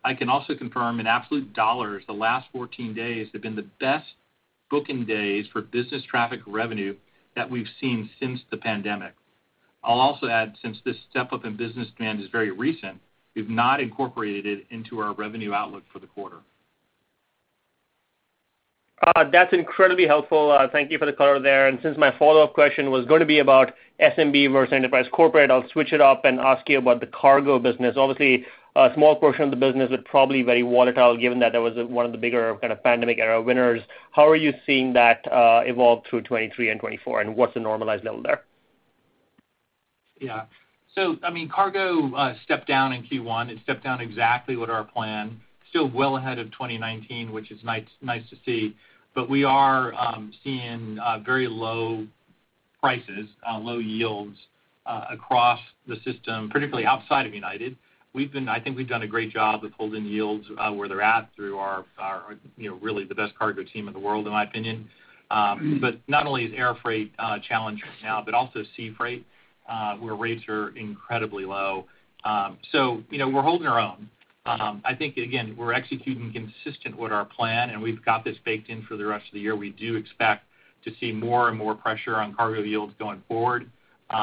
I can also confirm in absolute dollars, the last 14 days have been the best booking days for business traffic revenue that we've seen since the pandemic. I'll also add, since this step-up in business demand is very recent, we've not incorporated it into our revenue outlook for the quarter. That's incredibly helpful. Thank you for the color there. Since my follow-up question was gonna be about SMB versus enterprise corporate, I'll switch it up and ask you about the cargo business. Obviously, a small portion of the business, but probably very volatile given that that was one of the bigger kind of pandemic era winners. How are you seeing that evolve through 2023 and 2024, and what's the normalized level there? I mean, cargo stepped down in Q1. It stepped down exactly what our plan. Still well ahead of 2019, which is nice to see. We are seeing very low prices, low yields across the system, particularly outside of United. I think we've done a great job with holding yields where they're at through our, you know, really the best cargo team in the world, in my opinion. Not only is air freight challenged right now, but also sea freight, where rates are incredibly low. You know, we're holding our own. I think again, we're executing consistent with our plan, and we've got this baked in for the rest of the year. We do expect to see more and more pressure on cargo yields going forward. You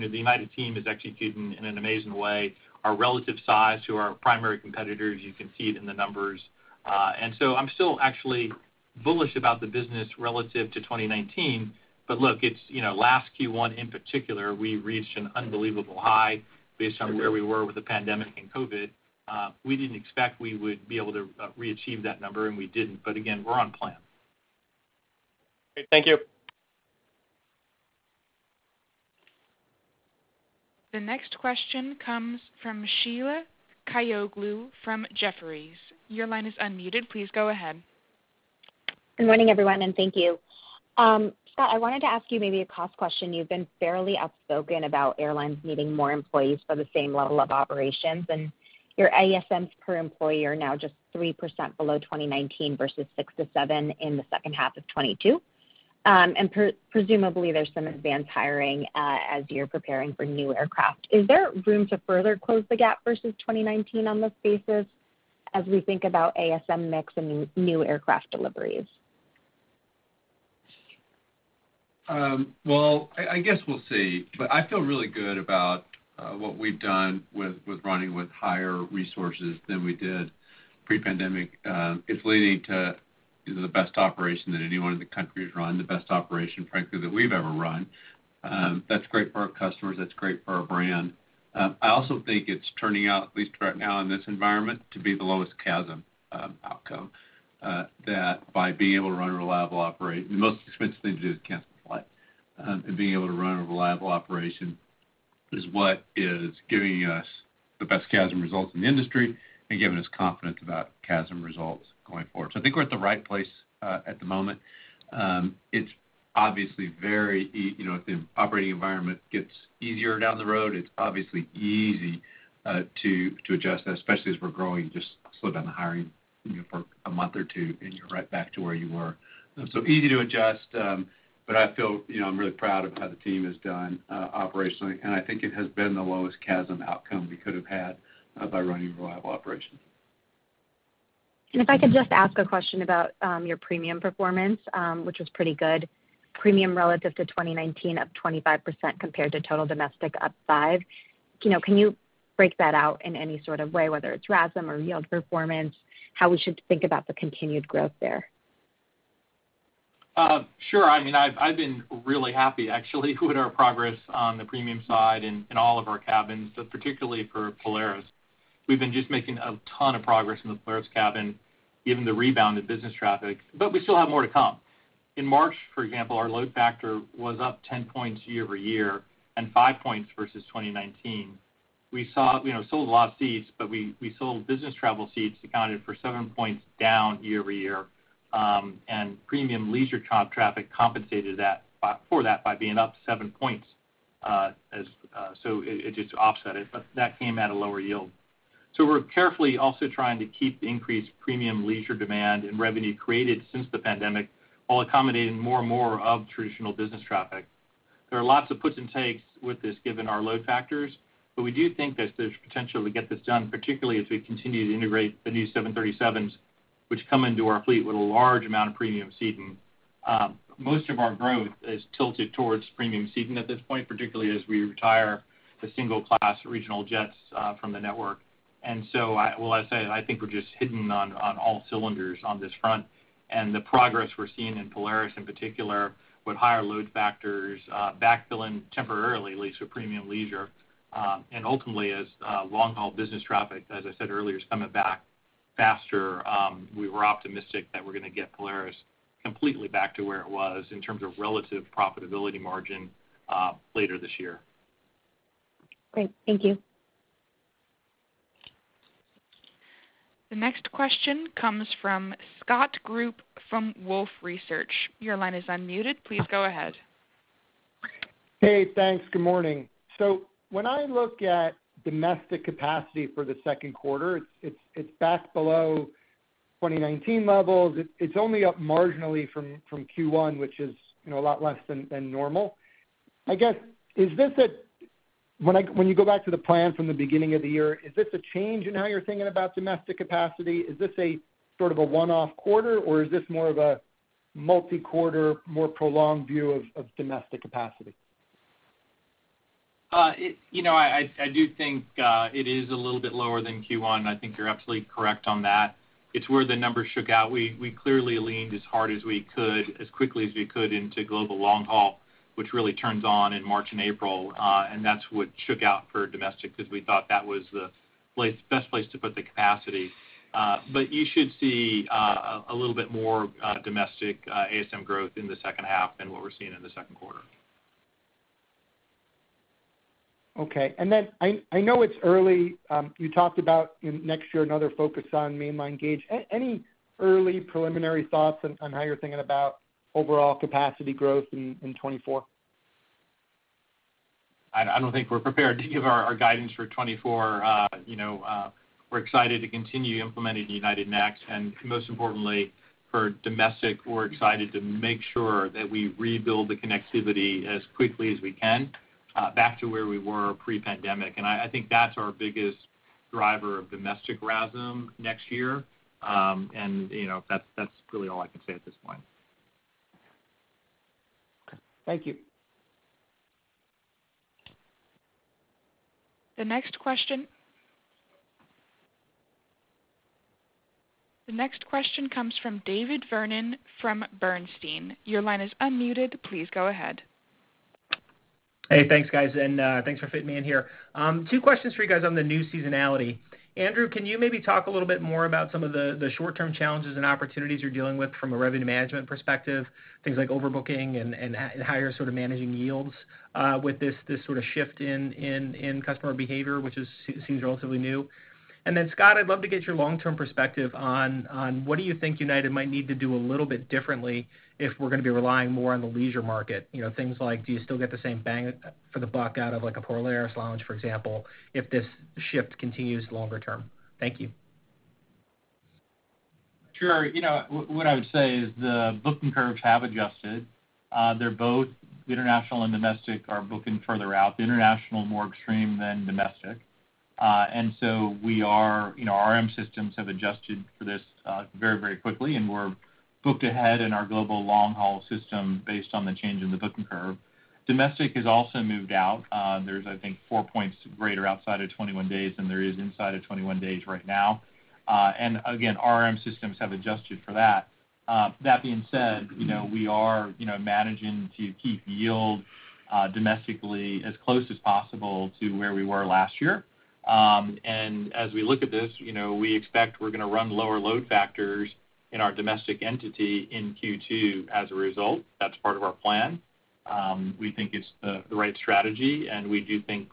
know, the United team is executing in an amazing way. Our relative size to our primary competitors, you can see it in the numbers. I'm still actually bullish about the business relative to 2019. Look, it's, you know, last Q1 in particular, we reached an unbelievable high based on where we were with the pandemic and COVID. We didn't expect we would be able to re-achieve that number, and we didn't. Again, we're on plan. Great. Thank you. The next question comes from Sheila Kahyaoglu from Jefferies. Your line is unmuted. Please go ahead. Good morning, everyone, thank you. Scott, I wanted to ask you maybe a cost question. You've been fairly outspoken about airlines needing more employees for the same level of operations, and your ASMs per employee are now just 3% below 2019 versus 6%-7% in the second half of 2022. Presumably, there's some advanced hiring as you're preparing for new aircraft. Is there room to further close the gap versus 2019 on this basis as we think about ASM mix and new aircraft deliveries? Well, I guess we'll see, but I feel really good about what we've done with running with higher resources than we did pre-pandemic. It's leading to the best operation that anyone in the country has run, the best operation, frankly, that we've ever run. That's great for our customers, that's great for our brand. I also think it's turning out, at least right now in this environment, to be the lowest CASM outcome. That by being able to run a reliable operations, the most expensive thing to do is cancel a flight. Being able to run a reliable operation is what is giving us the best CASM results in the industry and giving us confidence about CASM results going forward. I think we're at the right place, at the moment. It's obviously very you know, if the operating environment gets easier down the road, it's obviously easy, to adjust that, especially as we're growing, just slow down the hiring, you know, for a month or two, and you're right back to where you were. Easy to adjust, but I feel, you know, I'm really proud of how the team has done, operationally, and I think it has been the lowest CASM outcome we could have had, by running a reliable operation. If I could just ask a question about your premium performance, which was pretty good. Premium relative to 2019 up 25% compared to total domestic up 5%. You know, can you break that out in any sort of way, whether it's RASM or yield performance, how we should think about the continued growth there? Sure. I mean, I've been really happy actually with our progress on the premium side in all of our cabins, but particularly for Polaris. We've been just making a ton of progress in the Polaris cabin, given the rebound in business traffic, but we still have more to come. In March, for example, our load factor was up 10 points year-over-year and 5 points versus 2019. You know, sold a lot of seats, but we sold business travel seats accounted for 7 points down year-over-year. Premium leisure traffic compensated that for that by being up 7 points, it just offset it, but that came at a lower yield. We're carefully also trying to keep the increased premium leisure demand and revenue created since the pandemic while accommodating more and more of traditional business traffic. There are lots of puts and takes with this given our load factors, but we do think that there's potential to get this done, particularly as we continue to integrate the new 737s which come into our fleet with a large amount of premium seating. Most of our growth is tilted towards premium seating at this point, particularly as we retire the single class regional jets from the network. I say I think we're just hitting on all cylinders on this front and the progress we're seeing in Polaris in particular with higher load factors, backfilling temporarily at least for premium leisure. Ultimately as long-haul business traffic, as I said earlier, come back faster, we were optimistic that we're gonna get Polaris completely back to where it was in terms of relative profitability margin later this year. Great. Thank you. The next question comes from Scott Group from Wolfe Research. Your line is unmuted. Please go ahead. Hey, thanks. Good morning. When I look at domestic capacity for the second quarter, it's back below 2019 levels. It's only up marginally from Q1, which is, you know, a lot less than normal. I guess, is this a when you go back to the plan from the beginning of the year, is this a change in how you're thinking about domestic capacity? Is this a sort of a one-off quarter, or is this more of a multi-quarter, more prolonged view of domestic capacity? You know, I do think it is a little bit lower than Q1. I think you're absolutely correct on that. It's where the numbers shook out. We clearly leaned as hard as we could, as quickly as we could into global long haul, which really turns on in March and April, and that's what shook out for domestic because we thought that was the best place to put the capacity. You should see a little bit more domestic ASM growth in the second half than what we're seeing in the second quarter. Okay. I know it's early, you talked about next year, another focus on mainline gauge. Any early preliminary thoughts on how you're thinking about overall capacity growth in 2024? I don't think we're prepared to give our guidance for 2024. You know, we're excited to continue implementing United Next. Most importantly for domestic, we're excited to make sure that we rebuild the connectivity as quickly as we can, back to where we were pre-pandemic. I think that's our biggest driver of domestic RASM next year. You know, that's really all I can say at this point. Thank you. The next question comes from David Vernon from Bernstein. Your line is unmuted. Please go ahead. Hey, thanks, guys. Thanks for fitting me in here. Two questions for you guys on the new seasonality. Andrew, can you maybe talk a little bit more about some of the short-term challenges and opportunities you're dealing with from a revenue management perspective, things like overbooking and how you're sort of managing yields with this sort of shift in customer behavior, which seems relatively new. Scott, I'd love to get your long-term perspective on what do you think United might need to do a little bit differently if we're gonna be relying more on the leisure market. You know, things like, do you still get the same bang for the buck out of, like, a Polaris lounge, for example, if this shift continues longer term? Thank you. Sure. You know, what I would say is the booking curves have adjusted. They're both international and domestic are booking further out, the international more extreme than domestic. We are, you know, our RM systems have adjusted for this very, very quickly, and we're booked ahead in our global long-haul system based on the change in the booking curve. Domestic has also moved out. There's, I think, 4 points greater outside of 21 days than there is inside of 21 days right now. Again, our RM systems have adjusted for that. That being said, you know, we are, you know, managing to keep yield domestically as close as possible to where we were last year. As we look at this, you know, we expect we're gonna run lower load factors in our domestic entity in Q2 as a result. That's part of our plan. We think it's the right strategy, we do think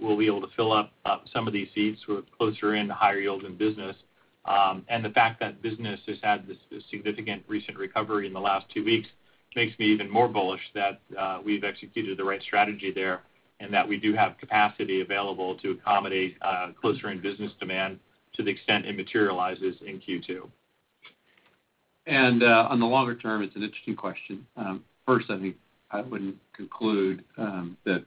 we'll be able to fill up some of these seats with closer in higher yield in business. The fact that business has had this significant recent recovery in the last two weeks makes me even more bullish that we've executed the right strategy there and that we do have capacity available to accommodate closer in business demand to the extent it materializes in Q2. On the longer term, it's an interesting question. First, I think I wouldn't conclude that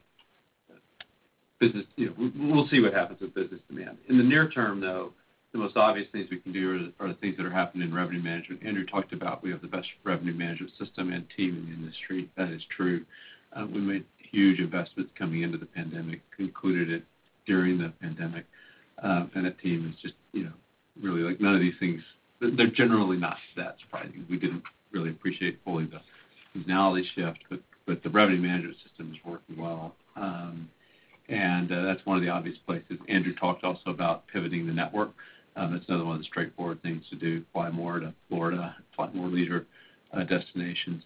business. You know, we'll see what happens with business demand. In the near term, though, the most obvious things we can do are the things that are happening in revenue management. Andrew talked about we have the best revenue management system and team in the industry. That is true. We made huge investments coming into the pandemic, concluded it during the pandemic. The team is just, you know, really like none of these things. They're generally not that surprising. We didn't really appreciate fully the seasonality shift, but the revenue management system is working well. That's one of the obvious places. Andrew talked also about pivoting the network. That's another one of the straightforward things to do, fly more to Florida, fly more leisure destinations.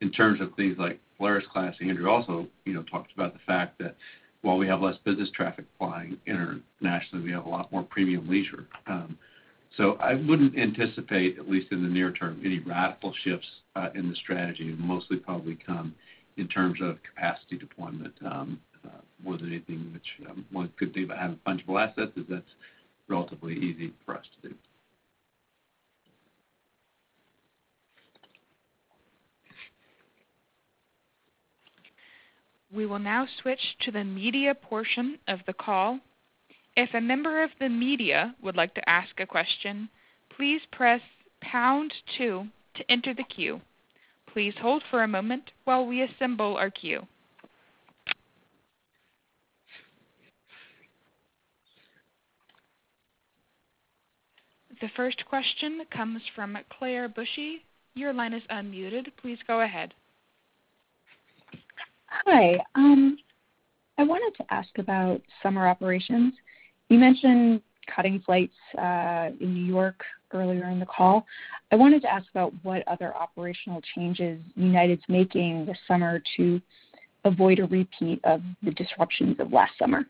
In terms of things like Polaris class, Andrew also, you know, talked about the fact that while we have less business traffic flying internationally, we have a lot more premium leisure. I wouldn't anticipate, at least in the near term, any radical shifts in the strategy and mostly probably come in terms of capacity deployment more than anything, which, one good thing about having fungible assets is that's relatively easy for us to do. We will now switch to the media portion of the call. If a member of the media would like to ask a question, please press pound two to enter the queue. Please hold for a moment while we assemble our queue. The first question comes from Claire Bushey. Your line is unmuted. Please go ahead. Hi. I wanted to ask about summer operations. You mentioned cutting flights, in New York earlier in the call. I wanted to ask about what other operational changes United's making this summer to avoid a repeat of the disruptions of last summer.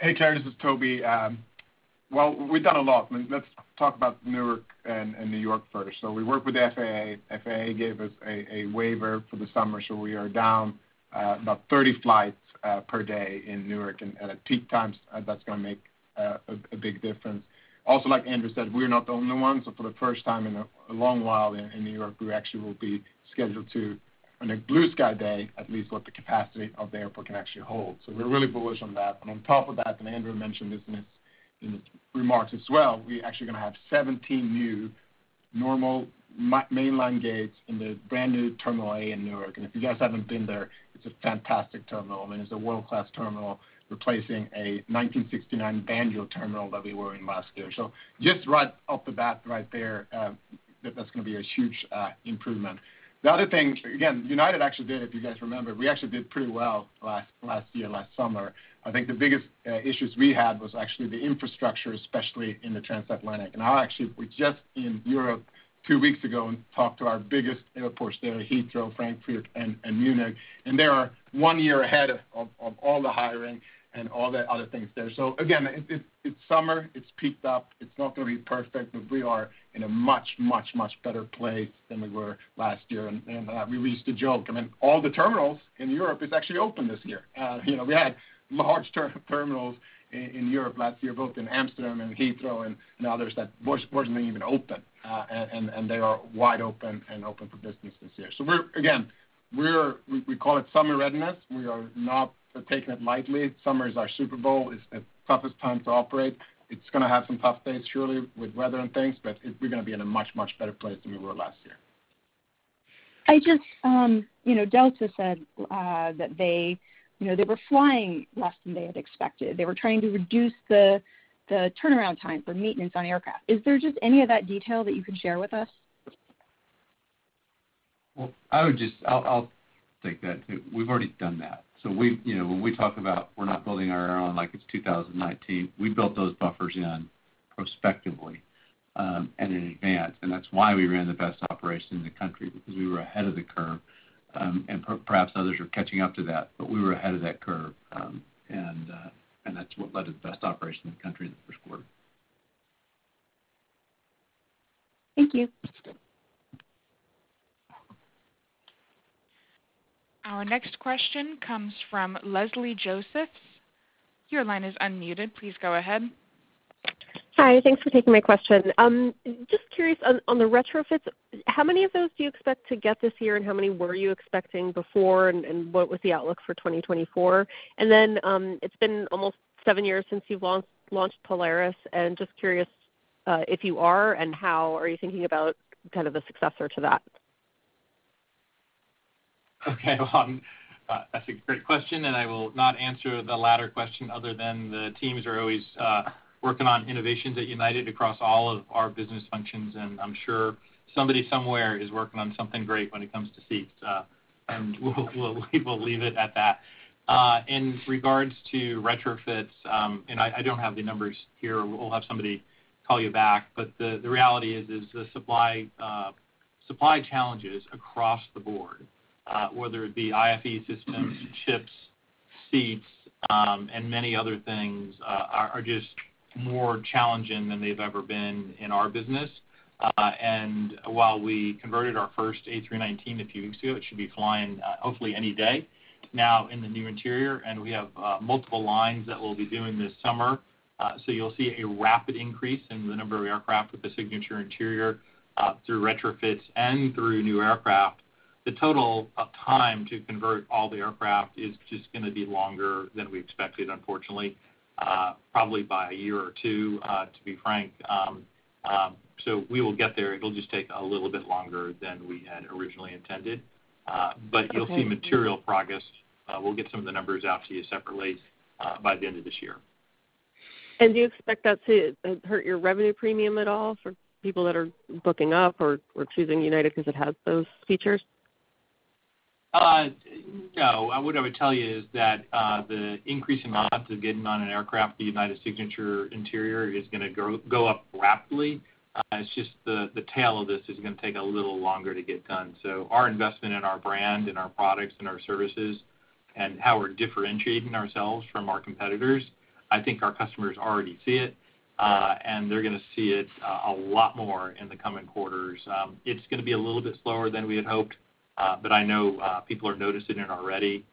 Hey, Claire. This is Toby. Well, we've done a lot. Let's talk about Newark and New York first. We worked with the FAA. FAA gave us a waiver for the summer, so we are down about 30 flights per day in Newark. At peak times, that's gonna make a big difference. Also, like Andrew said, we're not the only ones. For the first time in a long while in New York, we actually will be scheduled to, on a blue sky day, at least what the capacity of the airport can actually hold. We're really bullish on that. On top of that, Andrew mentioned this in his remarks as well, we're actually gonna have 17 new normal mainline gates in the brand-new terminal A in Newark. If you guys haven't been there, it's a fantastic terminal. I mean, it's a world-class terminal replacing a 1969 banjo terminal that we were in last year. Just right off the bat right there, that's gonna be a huge improvement. The other thing, again, United actually did, if you guys remember, we actually did pretty well last year, last summer. I think the biggest issues we had was actually the infrastructure, especially in the transatlantic. I actually was just in Europe two weeks ago and talked to our biggest airports there, Heathrow, Frankfurt, and Munich. They are one year ahead of all the hiring and all the other things there. Again, it's summer. It's peaked up. It's not gonna be perfect, but we are in a much, much, much better place than we were last year. We used to joke. I mean, all the terminals in Europe is actually open this year. You know, we had large terminals in Europe last year, both in Amsterdam and Heathrow and others that wasn't even open. They are wide open and open for business this year. Again, we call it summer readiness. We are not taking it lightly. Summer is our Super Bowl. It's the toughest time to operate. It's gonna have some tough days surely with weather and things, but we're gonna be in a much, much better place than we were last year. I just, you know, Delta said that, you know, they were flying less than they had expected. They were trying to reduce the turnaround time for maintenance on aircraft. Is there just any of that detail that you can share with us? Well, I'll take that too. We've already done that. We've, you know, when we talk about we're not building our own like it's 2019, we built those buffers in prospectively and in advance. That's why we ran the best operation in the country because we were ahead of the curve. Perhaps others are catching up to that, but we were ahead of that curve. That's what led to the best operation in the country in the first quarter. Thank you. That's good. Our next question comes from Leslie Josephs. Your line is unmuted. Please go ahead. Hi. Thanks for taking my question. Just curious on the retrofits, how many of those do you expect to get this year, and how many were you expecting before, and what was the outlook for 2024? It's been almost seven years since you've launched Polaris, and just curious, if you are and how are you thinking about kind of the successor to that? Okay. Well, that's a great question, and I will not answer the latter question other than the teams are always working on innovations at United across all of our business functions, and I'm sure somebody somewhere is working on something great when it comes to seats. We'll leave it at that. In regards to retrofits, I don't have the numbers here. We'll have somebody call you back. The reality is, the supply challenges across the board, whether it be IFE systems, chips, seats, and many other things, are just more challenging than they've ever been in our business. While we converted our first A319 a few weeks ago, it should be flying hopefully any day now in the new interior, and we have multiple lines that we'll be doing this summer. You'll see a rapid increase in the number of aircraft with the signature interior through retrofits and through new aircraft. The total time to convert all the aircraft is just gonna be longer than we expected, unfortunately, probably by a year or two to be frank. We will get there. It'll just take a little bit longer than we had originally intended. You'll see material progress. We'll get some of the numbers out to you separately by the end of this year. Do you expect that to hurt your revenue premium at all for people that are booking up or choosing United 'cause it has those features? No. What I would tell you is that the increase in ops of getting on an aircraft with the United signature interior is gonna go up rapidly. It's just the tail of this is gonna take a little longer to get done. Our investment in our brand and our products and our services and how we're differentiating ourselves from our competitors, I think our customers already see it, and they're gonna see it a lot more in the coming quarters. It's gonna be a little bit slower than we had hoped, but I know people are noticing it already.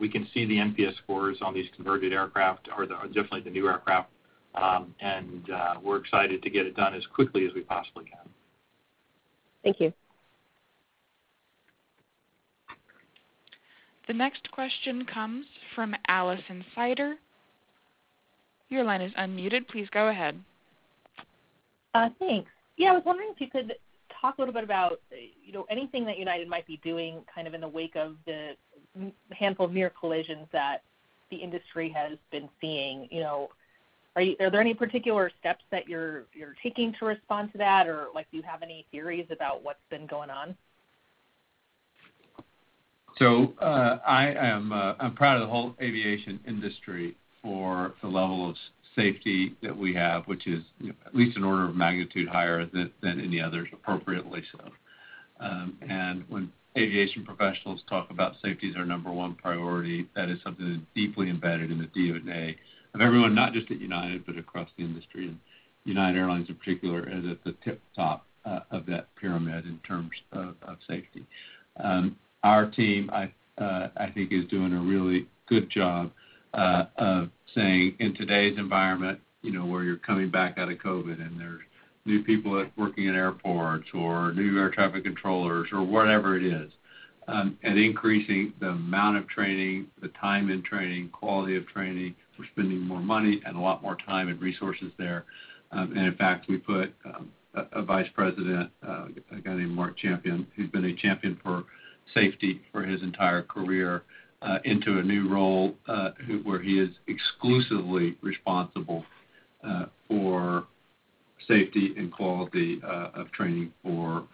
We can see the NPS scores on these converted aircraft or the, definitely the new aircraft. We're excited to get it done as quickly as we possibly can. Thank you. The next question comes from Alison Sider. Your line is unmuted. Please go ahead. Thanks. Yeah, I was wondering if you could talk a little bit about, you know, anything that United might be doing kind of in the wake of the handful of near collisions that the industry has been seeing. You know, are there any particular steps that you're taking to respond to that? Or like, do you have any theories about what's been going on? I'm proud of the whole aviation industry for the level of safety that we have, which is, you know, at least an order of magnitude higher than any others, appropriately so. When aviation professionals talk about safety as our number one priority, that is something that's deeply embedded in the DNA of everyone, not just at United, but across the industry. United Airlines in particular is at the tip top of that pyramid in terms of safety. Our team, I think is doing a really good job of saying in today's environment, you know, where you're coming back out of COVID and there's new people working in airports or new air traffic controllers or whatever it is, increasing the amount of training, the time in training, quality of training. We're spending more money and a lot more time and resources there. In fact, we put a Vice President, a guy named Marc Champion, who's been a champion for safety for his entire career, into a new role where he is exclusively responsible for safety and quality of training for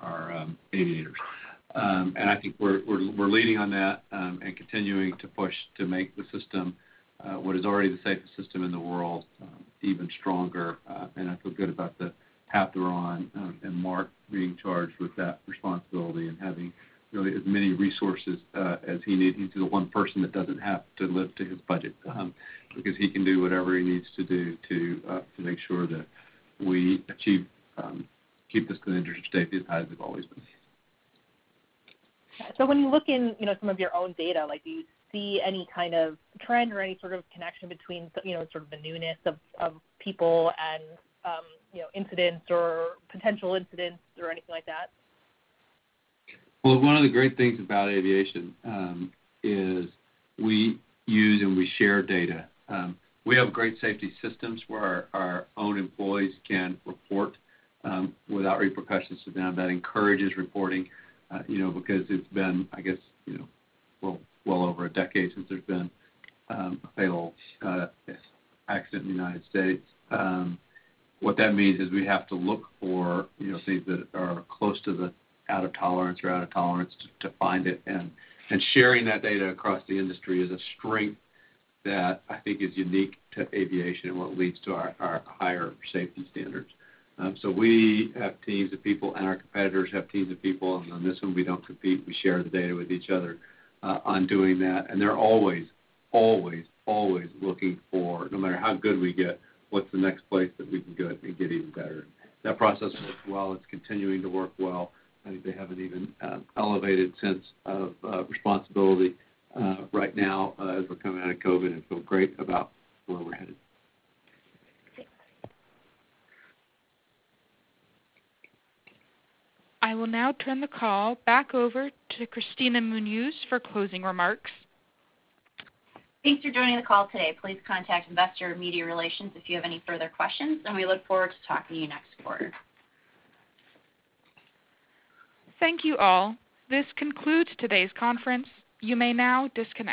our aviators. I think we're leaning on that and continuing to push to make the system what is already the safest system in the world even stronger. I feel good about the path we're on and Marc being charged with that responsibility and having, you know, as many resources as he needs. He's the one person that doesn't have to live to his budget, because he can do whatever he needs to do to make sure that we achieve, keep the standards of safety as high as they've always been. When you look in, you know, some of your own data, like do you see any kind of trend or any sort of connection between, you know, sort of the newness of people and, you know, incidents or potential incidents or anything like that? Well, one of the great things about aviation, is we use and we share data. We have great safety systems where our own employees can report, without repercussions to them. That encourages reporting, you know, because it's been, I guess, you know, well over a decade since there's been a fatal accident in the United States. What that means is we have to look for, you know, things that are close to the out of tolerance or out of tolerance to find it. Sharing that data across the industry is a strength that I think is unique to aviation and what leads to our higher safety standards. We have teams of people, and our competitors have teams of people, and on this one, we don't compete. We share the data with each other on doing that. They're always, always looking for, no matter how good we get, what's the next place that we can go and get even better. That process works well. It's continuing to work well. I think they have an even, elevated sense of responsibility right now, as we're coming out of COVID and feel great about where we're headed. Thanks. I will now turn the call back over to Kristina Munoz for closing remarks. Thanks for joining the call today. Please contact Investor Media Relations if you have any further questions, and we look forward to talking to you next quarter. Thank you, all. This concludes today's conference. You may now disconnect.